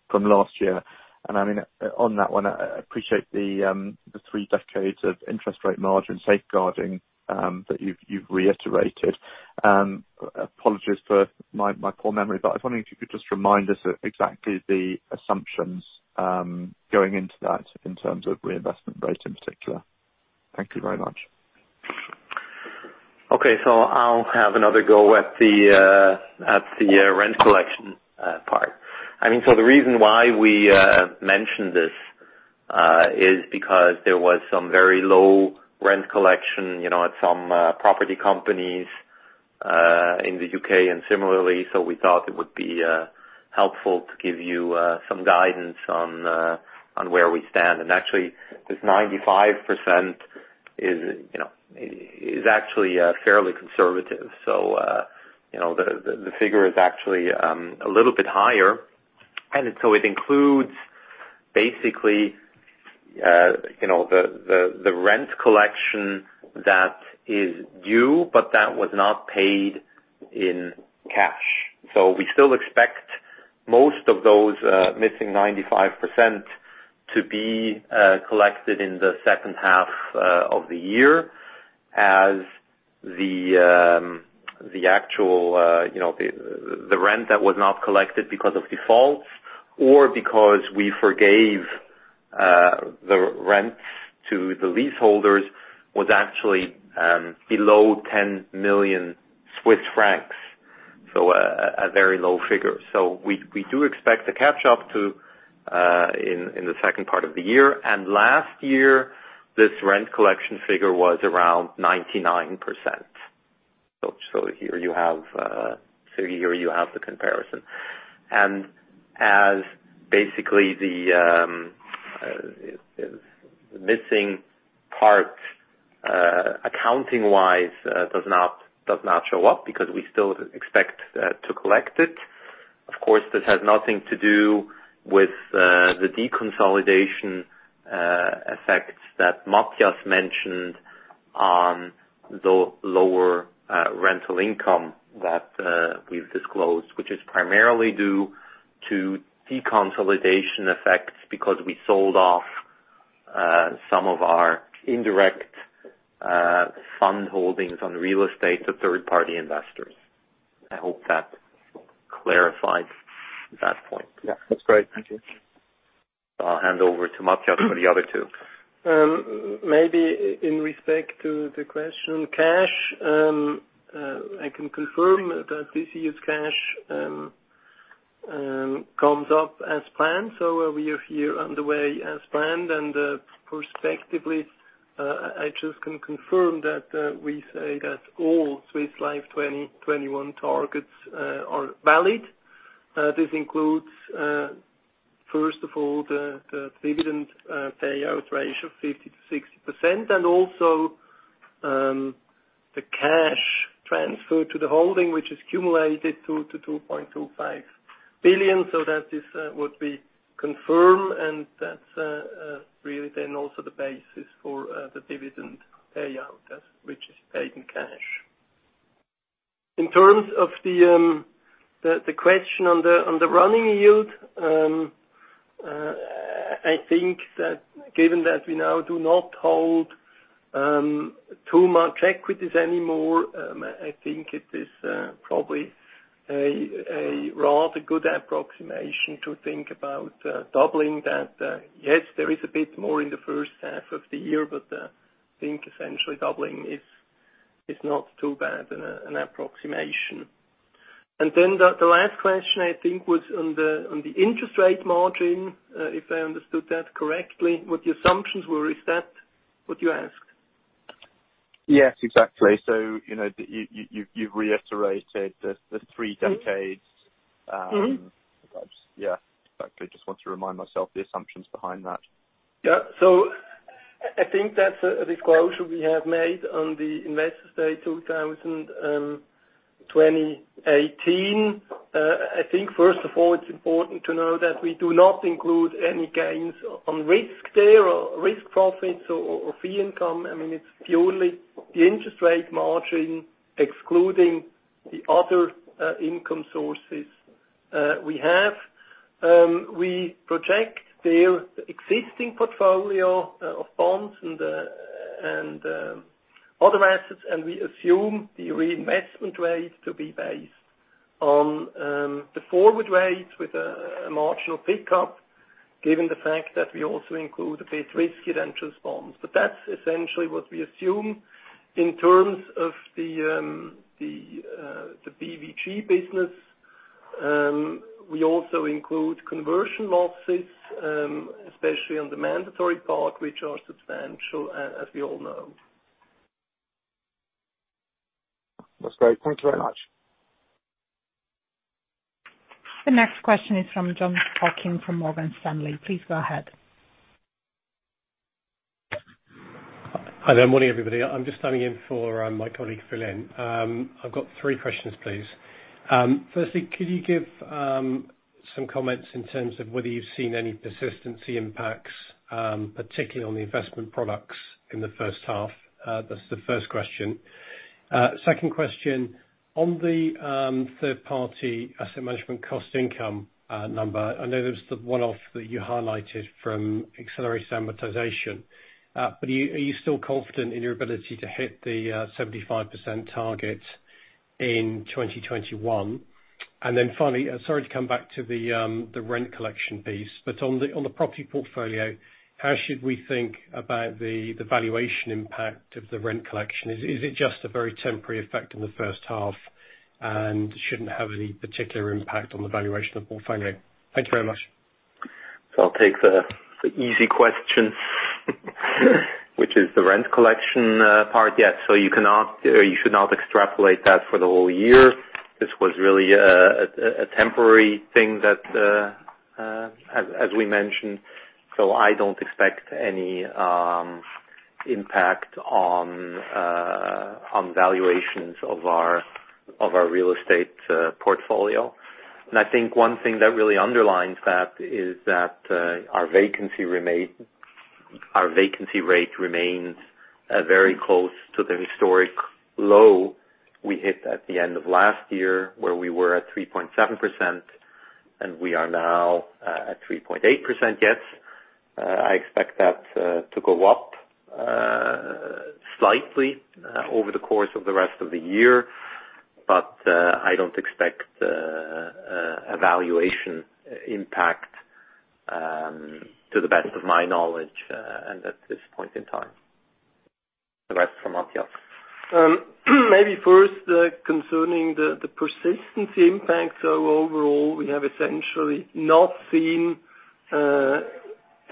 from last year. On that one, I appreciate the three decades of interest rate margin safeguarding that you've reiterated. Apologies for my poor memory, I was wondering if you could just remind us exactly the assumptions going into that in terms of reinvestment rates in particular. Thank you very much. Okay. I'll have another go at the rent collection part. The reason why we mentioned this is because there was some very low rent collection at some property companies in the U.K. and similarly, we thought it would be helpful to give you some guidance on where we stand. Actually, this 95% is actually fairly conservative. The figure is actually a little bit higher. It includes basically, the rent collection that is due, but that was not paid in cash. We still expect most of those missing 95% to be collected in the second half of the year as the actual rent that was not collected because of defaults or because we forgave the rents to the leaseholders was actually below 10 million Swiss francs. A very low figure. We do expect to catch up too in the second part of the year. Last year, this rent collection figure was around 99%. Here you have the comparison. As basically the missing part accounting-wise does not show up because we still expect to collect it. Of course, this has nothing to do with the deconsolidation effects that Matthias mentioned on the lower rental income that we've disclosed, which is primarily due to deconsolidation effects because we sold off some of our indirect fund holdings on real estate to third-party investors. I hope that clarifies that point. Yeah. That's great. Thank you. I'll hand over to Matthias for the other two. Maybe in respect to the question, cash, I can confirm that this year's cash comes up as planned. We are here on the way as planned. Prospectively, I just can confirm that we say that all Swiss Life 2021 targets are valid. This includes, first of all, the dividend payout ratio of 50%-60%, and also the cash transfer to the holding, which is cumulated to 2.25 billion. That would be confirmed. That's really then also the basis for the dividend payout, which is paid in cash. In terms of the question on the running yield, I think that given that we now do not hold too much equities anymore, I think it is probably a rather good approximation to think about doubling that. Yes, there is a bit more in the first half of the year, but I think essentially doubling is not too bad an approximation. The last question, I think, was on the interest rate margin, if I understood that correctly. What the assumptions were, is that what you asked? Yes, exactly. You've reiterated the three decades. Yeah. Actually, I just want to remind myself the assumptions behind that. Yeah. I think that's a disclosure we have made on the Investor Day 2018. I think, first of all, it's important to know that we do not include any gains on risk there or risk profits or fee income. It's purely the interest rate margin, excluding the other income sources we have. We project their existing portfolio of bonds and other assets, we assume the reinvestment rate to be based on the forward rates with a marginal pickup, given the fact that we also include the higher risk corporate bonds. That's essentially what we assume. In terms of the BVG business, we also include conversion losses, especially on the mandatory part, which are substantial as we all know. That's great. Thank you very much. The next question is from Jon Hocking from Morgan Stanley. Please go ahead. Hi there. Morning, everybody. I'm just standing in for my colleague, Fahad Changazi. I've got three questions, please. Firstly, could you give some comments in terms of whether you've seen any persistency impacts, particularly on the investment products in the first half? That's the first question. Second question, on the third-party asset management cost income number, I know there was the one-off that you highlighted from accelerated amortization. Are you still confident in your ability to hit the 75% target in 2021? Finally, sorry to come back to the rent collection piece, but on the property portfolio, how should we think about the valuation impact of the rent collection? Is it just a very temporary effect in the first half, and shouldn't have any particular impact on the valuation of the portfolio? Thank you very much. I'll take the easy question, which is the rent collection part. You should not extrapolate that for the whole year. This was really a temporary thing as we mentioned. I don't expect any impact on valuations of our real estate portfolio. I think one thing that really underlines that is that our vacancy rate remains very close to the historic low we hit at the end of last year, where we were at 3.7%, and we are now at 3.8% yet. I expect that to go up slightly over the course of the rest of the year. I don't expect a valuation impact, to the best of my knowledge, and at this point in time. The rest for Matthias. Maybe first, concerning the persistency impact. Overall, we have essentially not seen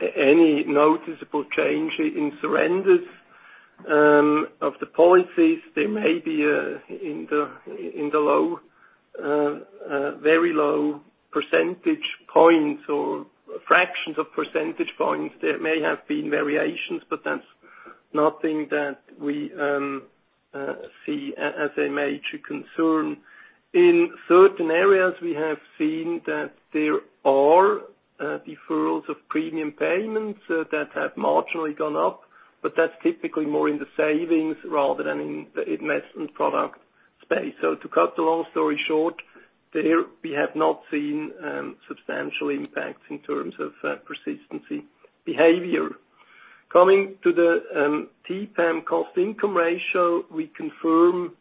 any noticeable change in surrenders of the policies. There may be in the very low percentage points or fractions of percentage points. There may have been variations, but that's nothing that we see as a major concern. In certain areas, we have seen that there are deferrals of premium payments that have marginally gone up, but that's typically more in the savings rather than in the investment product space. To cut the long story short, there we have not seen substantial impacts in terms of persistency behavior. Coming to the TPAM cost-income ratio, we confirm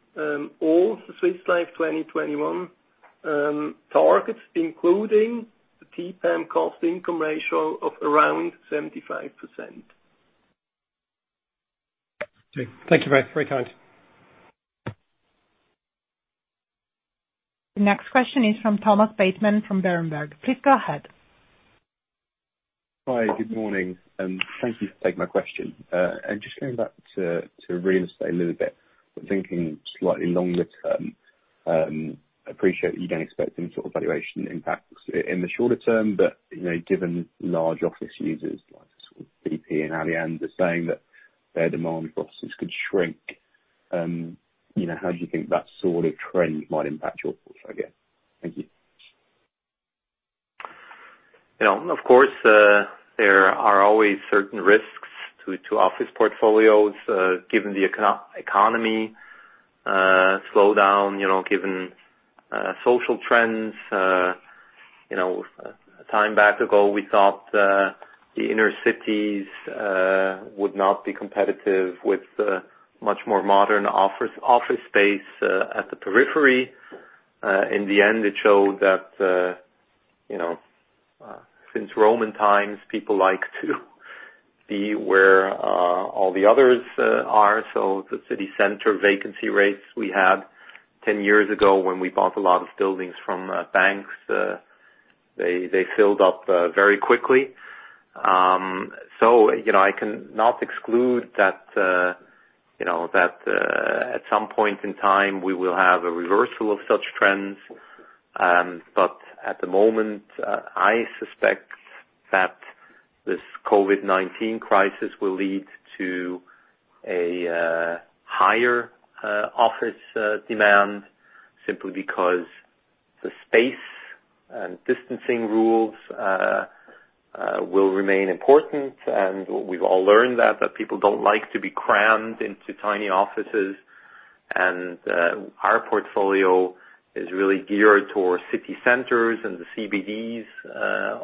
all the Swiss Life 2021 targets, including the TPAM cost-income ratio of around 75%. Okay. Thank you both. Very kind. The next question is from Thomas Bateman from Berenberg. Please go ahead. Hi. Good morning, and thank you for taking my question. Just going back to real estate a little bit, but thinking slightly longer term. Appreciate that you don't expect any sort of valuation impacts in the shorter term, but given large office users like BP and Allianz are saying that their demand for offices could shrink, how do you think that sort of trend might impact your portfolio? Thank you. Of course, there are always certain risks to office portfolios, given the economy slowdown, given social trends. A time back ago, we thought the inner cities would not be competitive with much more modern office space at the periphery. It showed that since Roman times, people like to be where all the others are. The city center vacancy rates we had 10 years ago when we bought a lot of buildings from banks, they filled up very quickly. I cannot exclude that at some point in time we will have a reversal of such trends. At the moment, I suspect that this COVID-19 crisis will lead to a higher office demand simply because the space and distancing rules will remain important, and we've all learned that people don't like to be crammed into tiny offices. Our portfolio is really geared towards city centers and the CBDs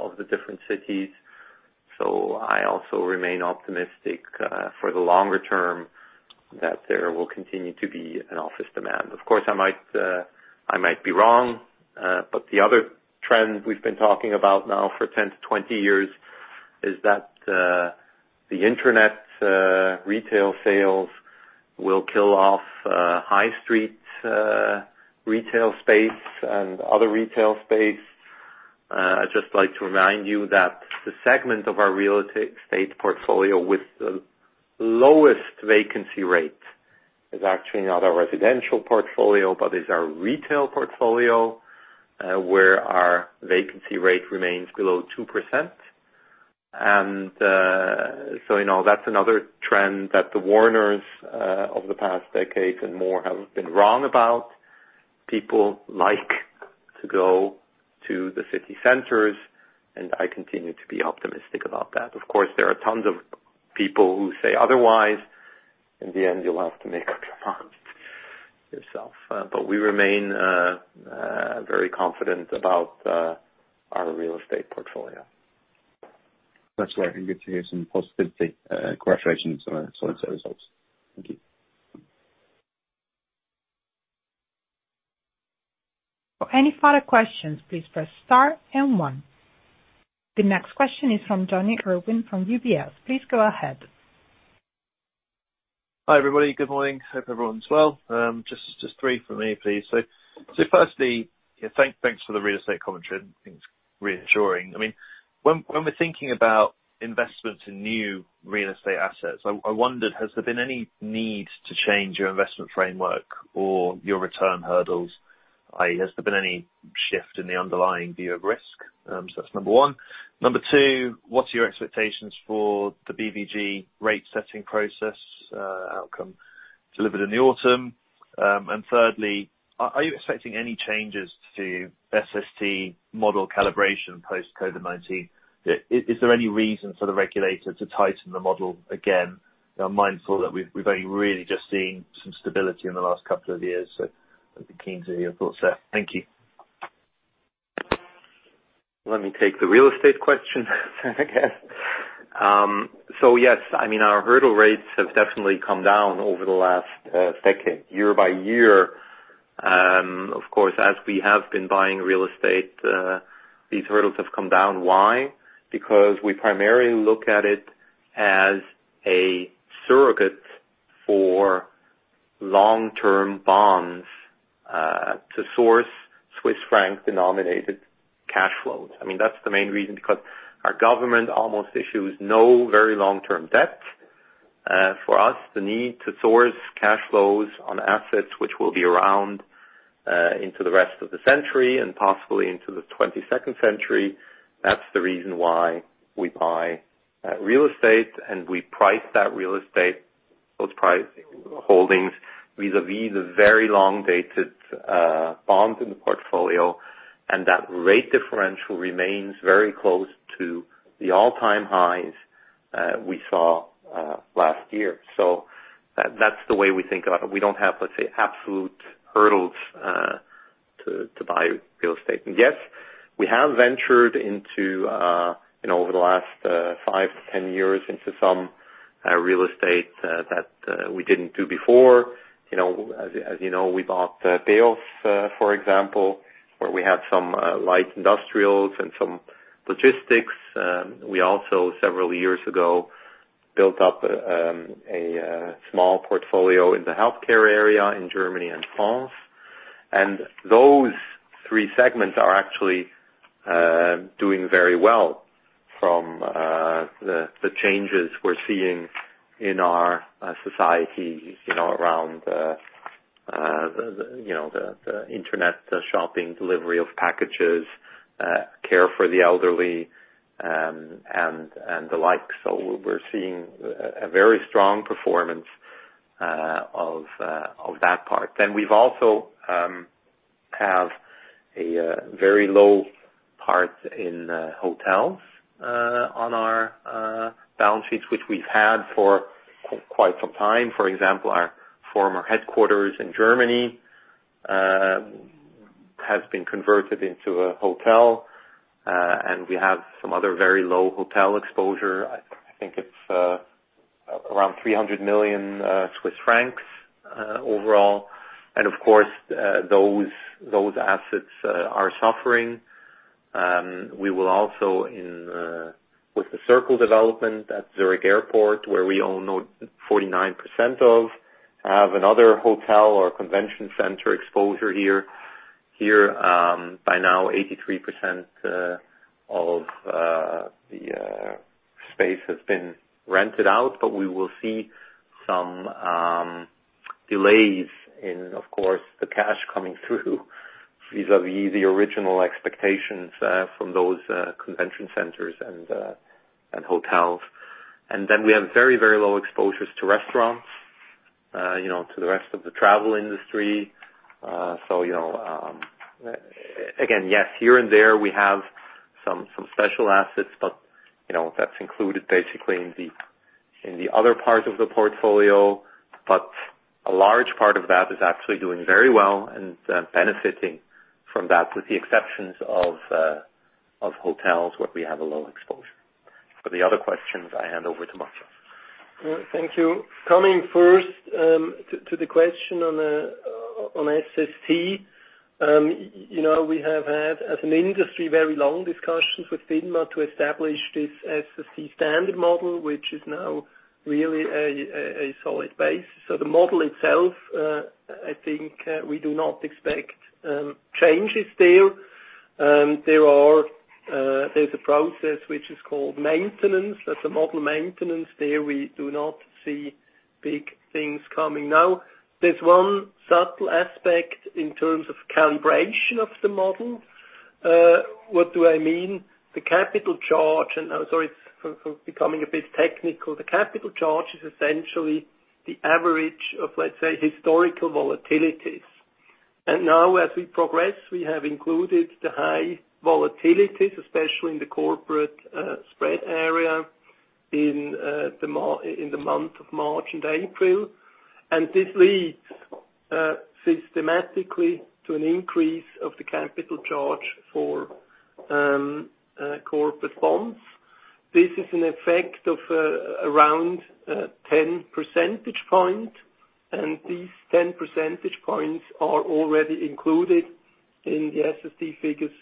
of the different cities. I also remain optimistic for the longer term that there will continue to be an office demand. Of course, I might be wrong. The other trend we've been talking about now for 10 to 20 years is that the internet retail sales will kill off high street retail space and other retail space. I'd just like to remind you that the segment of our real estate portfolio with the lowest vacancy rate is actually not our residential portfolio, but is our retail portfolio, where our vacancy rate remains below 2%. That's another trend that the warners of the past decade and more have been wrong about. People like to go to the city centers, and I continue to be optimistic about that. Of course, there are tons of people who say otherwise. In the end, you'll have to make up your mind yourself. We remain very confident about our real estate portfolio. That's all right. It's good to hear some positivity, corroborations towards the results. Thank you. For any further questions, please press star and one. The next question is from Jonny Urwin from UBS. Please go ahead. Hi, everybody. Good morning. Hope everyone's well. Just three from me, please. Firstly, thanks for the real estate commentary. I think it's reassuring. When we're thinking about investments in new real estate assets, I wondered, has there been any need to change your investment framework or your return hurdles? Has there been any shift in the underlying view of risk? That's number 1. Number 2, what's your expectations for the BVG rate-setting process outcome delivered in the autumn? Thirdly, are you expecting any changes to SST model calibration post-COVID-19? Is there any reason for the regulator to tighten the model again? Mindful that we've only really just seen some stability in the last couple of years, so I'd be keen to hear your thoughts there. Thank you. Let me take the real estate question again. Yes, our hurdle rates have definitely come down over the last decade, year by year. Of course, as we have been buying real estate, these hurdles have come down. Why? Because we primarily look at it as a surrogate for long-term bonds to source Swiss franc-denominated cash flows. That's the main reason, because our government almost issues no very long-term debt. For us, the need to source cash flows on assets which will be around into the rest of the century and possibly into the 22nd century, that's the reason why we buy real estate and we price that real estate, those holdings, vis-a-vis the very long-dated bonds in the portfolio, and that rate differential remains very close to the all-time highs we saw last year. That's the way we think about it. We don't have, let's say, absolute hurdles to buy real estate. Yes, we have ventured into, over the last 5 to 10 years, into some real estate that we didn't do before. As you know, we bought BEOS, for example, where we had some light industrials and some logistics. We also, several years ago, built up a small portfolio in the healthcare area in Germany and France. Those three segments are actually doing very well from the changes we're seeing in our society around the internet, the shopping, delivery of packages, care for the elderly, and the like. We're seeing a very strong performance of that part. We've also have a very low part in hotels on our balance sheets, which we've had for quite some time. For example, our former headquarters in Germany has been converted into a hotel. We have some other very low hotel exposure. I think it's around 300 million Swiss francs overall. Of course, those assets are suffering. We will also, with The Circle development at Zurich Airport, where we own 49% of, have another hotel or convention center exposure here. Here, by now 83% of the space has been rented out, but we will see some delays in, of course, the cash coming through vis-a-vis the original expectations from those convention centers and hotels. We have very low exposures to restaurants, to the rest of the travel industry. Again, yes, here and there we have some special assets, but that's included basically in the other part of the portfolio. A large part of that is actually doing very well and benefiting from that, with the exceptions of hotels where we have a low exposure. For the other questions, I hand over to Matthias. Thank you. Coming first to the question on SST. We have had, as an industry, very long discussions with FINMA to establish this SST standard model, which is now really a solid base. The model itself, I think we do not expect changes there. There's a process which is called maintenance. That's a model maintenance. There we do not see big things coming. There's one subtle aspect in terms of calibration of the model. What do I mean? The capital charge, I'm sorry for becoming a bit technical. The capital charge is essentially the average of, let's say, historical volatilities. Now as we progress, we have included the high volatilities, especially in the corporate spread area in the month of March and April. This leads systematically to an increase of the capital charge for corporate bonds. This is an effect of around 10 percentage points. These 10 percentage points are already included in the SST figures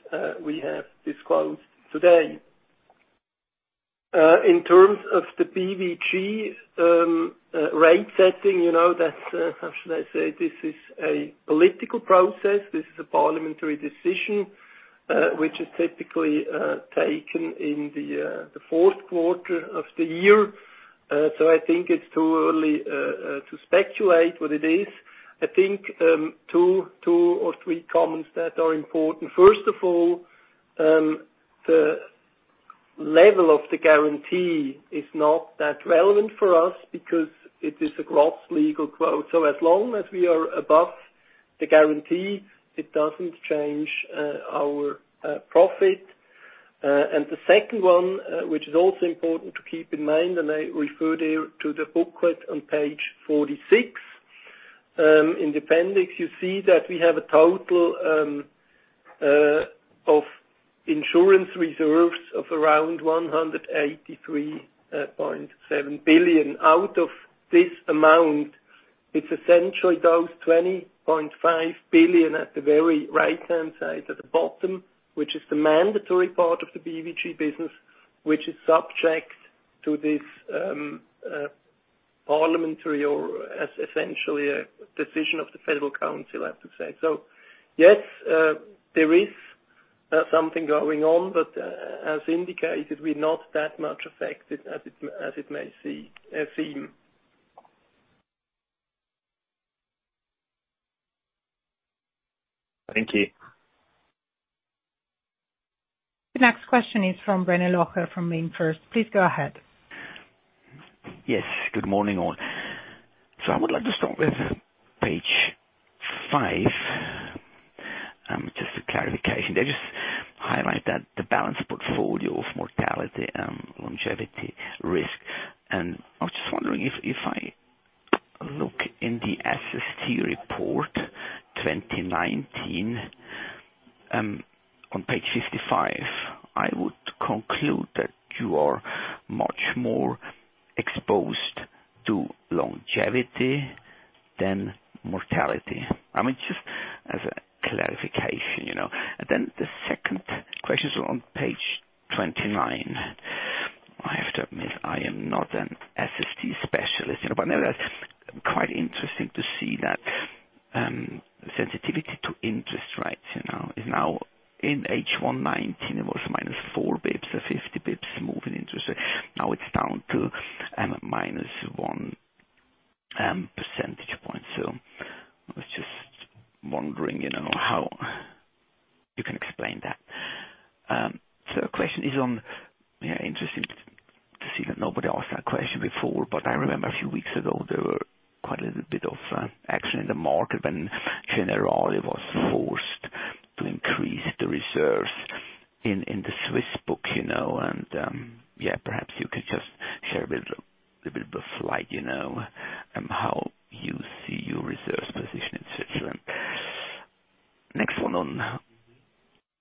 we have disclosed today. In terms of the BVG rate setting, how should I say? This is a political process. This is a parliamentary decision, which is typically taken in the fourth quarter of the year. I think it's too early to speculate what it is. I think two or three comments that are important. First of all, the level of the guarantee is not that relevant for us because it is a gross legal quote. As long as we are above the guarantee, it doesn't change our profit. The second one, which is also important to keep in mind, and I refer there to the booklet on page 46. In the appendix, you see that we have a total of insurance reserves of around 183.7 billion. Out of this amount, it's essentially those 20.5 billion at the very right-hand side at the bottom, which is the mandatory part of the BVG business, which is subject to this parliamentary or essentially a decision of the Federal Council, I have to say. Yes, there is something going on, but as indicated, we're not that much affected as it may seem. Thank you. The next question is from René Locher from Stifel. Please go ahead. Yes. Good morning, all. I would like to start with page 5. Just a clarification there. Just highlight that the balance portfolio of mortality and longevity risk. I was just wondering if I look in the SST report 2019, on page 55, I would conclude that you are much more exposed to longevity than mortality. Just as a clarification. The second question is on page 29. I have to admit, I am not an SST specialist. Nevertheless, quite interesting to see that sensitivity to interest rates. Now in H1 2019, it was -4 basis points, so 50 basis points move in interest rate. Now it's down to -1 percentage point. I was just wondering how you can explain that. Third question is on. Interesting to see that nobody asked that question before, I remember a few weeks ago, there were quite a little bit of action in the market when Generali was forced to increase the reserves in the Swiss book. Perhaps you could just share a bit of a light, how you see your reserves position in Switzerland. Next one on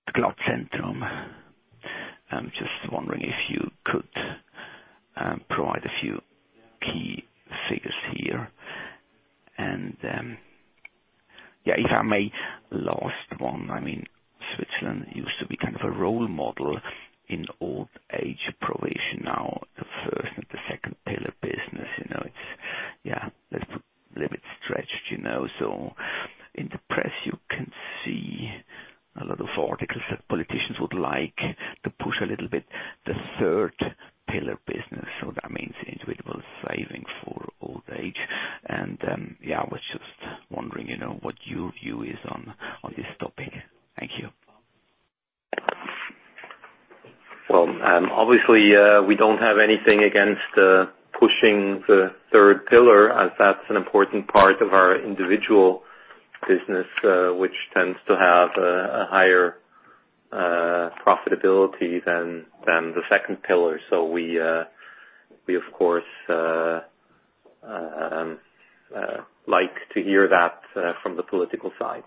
the Glattzentrum. I'm just wondering if you could provide a few key figures here. If I may, last one. Switzerland used to be kind of a role model in old age provision now. The pillar business. It's, yeah, let's put, a little bit stretched. In the press you can see a lot of articles that politicians would like to push a little bit the third pillar business. That means individual saving for old age. Yeah, I was just wondering what your view is on this topic. Thank you. Well, obviously, we don't have anything against pushing the third pillar as that's an important part of our individual business, which tends to have a higher profitability than the second pillar. We, of course, like to hear that from the political side.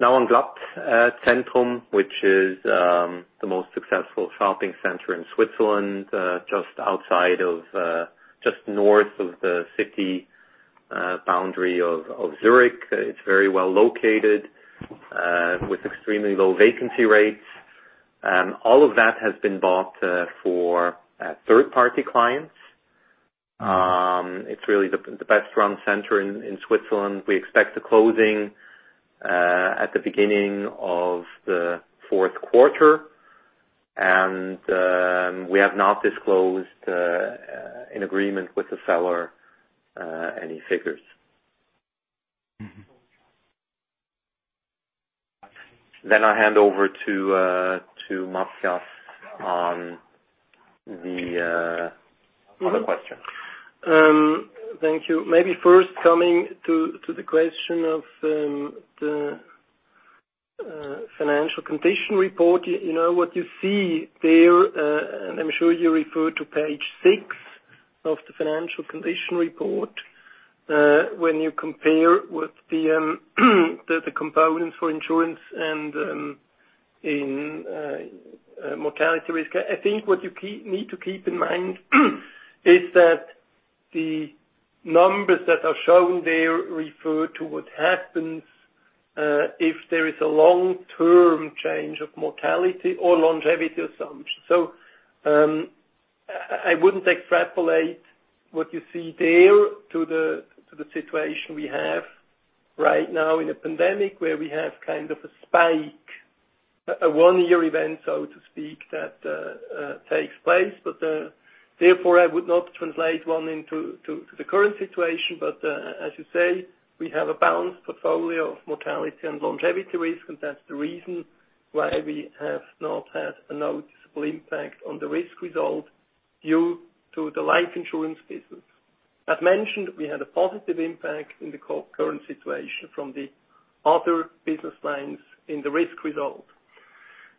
Now on Glattzentrum, which is the most successful shopping center in Switzerland, just north of the city boundary of Zurich. It's very well located, with extremely low vacancy rates. All of that has been bought for third-party clients. It's really the best-run center in Switzerland. We expect the closing at the beginning of the fourth quarter. We have not disclosed in agreement with the seller any figures. I'll hand over to Matthias on the other question. Thank you. First coming to the question of the financial condition report. What you see there, I'm sure you refer to page 6 of the financial condition report. When you compare with the components for insurance and in mortality risk. I think what you need to keep in mind is that the numbers that are shown there refer to what happens if there is a long-term change of mortality or longevity assumption. I wouldn't extrapolate what you see there to the situation we have right now in a pandemic where we have kind of a spike, a one-year event, so to speak, that takes place. Therefore, I would not translate one into the current situation. As you say, we have a balanced portfolio of mortality and longevity risk. That's the reason why we have not had a noticeable impact on the risk result due to the life insurance business. As mentioned, we had a positive impact in the current situation from the other business lines in the risk result.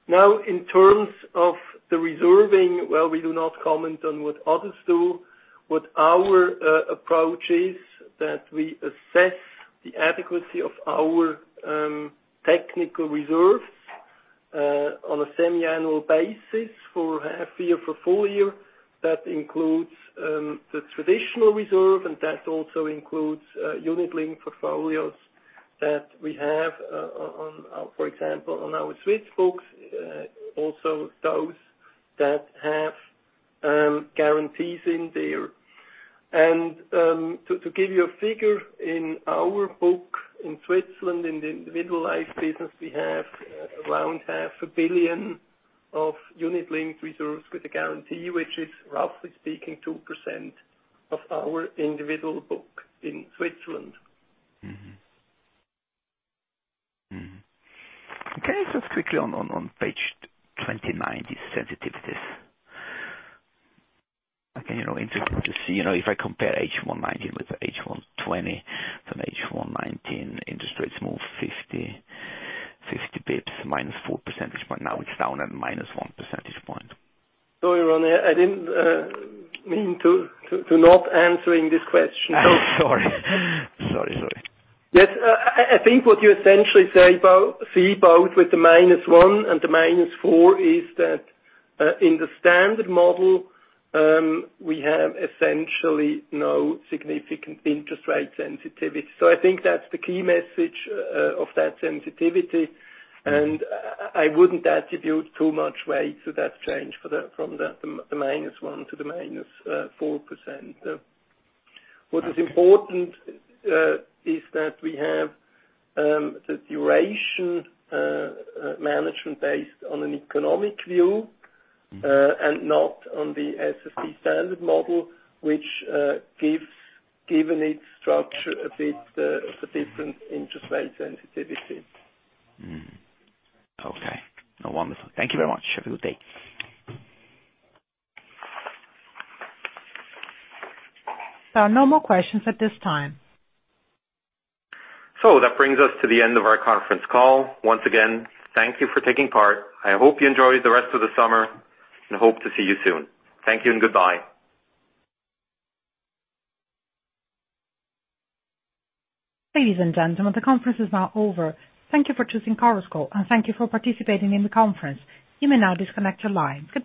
Now, in terms of the reserving, well, we do not comment on what others do. What our approach is, that we assess the adequacy of our technical reserves on a semiannual basis for half year, full year. That includes the traditional reserve and that also includes unit-linked portfolios that we have for example, on our Swiss books, also those that have guarantees in there. To give you a figure, in our book in Switzerland, in the individual life business, we have around half a billion of unit-linked reserves with a guarantee, which is roughly speaking, 2% of our individual book in Switzerland. Okay. Just quickly on page 29, the sensitivities. Interesting to see, if I compare H1 2019 with H1 2020, from H1 2019 interest rates move 50 basis points minus four percentage point. Now it's down at minus one percentage point. Sorry, René, I didn't mean to not answering this question. Sorry. Yes. I think what you essentially see both with the minus one and the minus four is that, in the standard model, we have essentially no significant interest rate sensitivity. I think that's the key message of that sensitivity, and I wouldn't attribute too much weight to that change from the minus one to the -4%. What is important is that we have the duration management based on an economic view. Not on the SST standard model, which given its structure, a bit of a different interest rate sensitivity. Okay. Wonderful. Thank you very much. Have a good day. There are no more questions at this time. That brings us to the end of our conference call. Once again, thank you for taking part. I hope you enjoy the rest of the summer, and hope to see you soon. Thank you and goodbye. Ladies and gentlemen, the conference is now over. Thank you for choosing Chorus Call, and thank you for participating in the conference. You may now disconnect your line. Goodbye.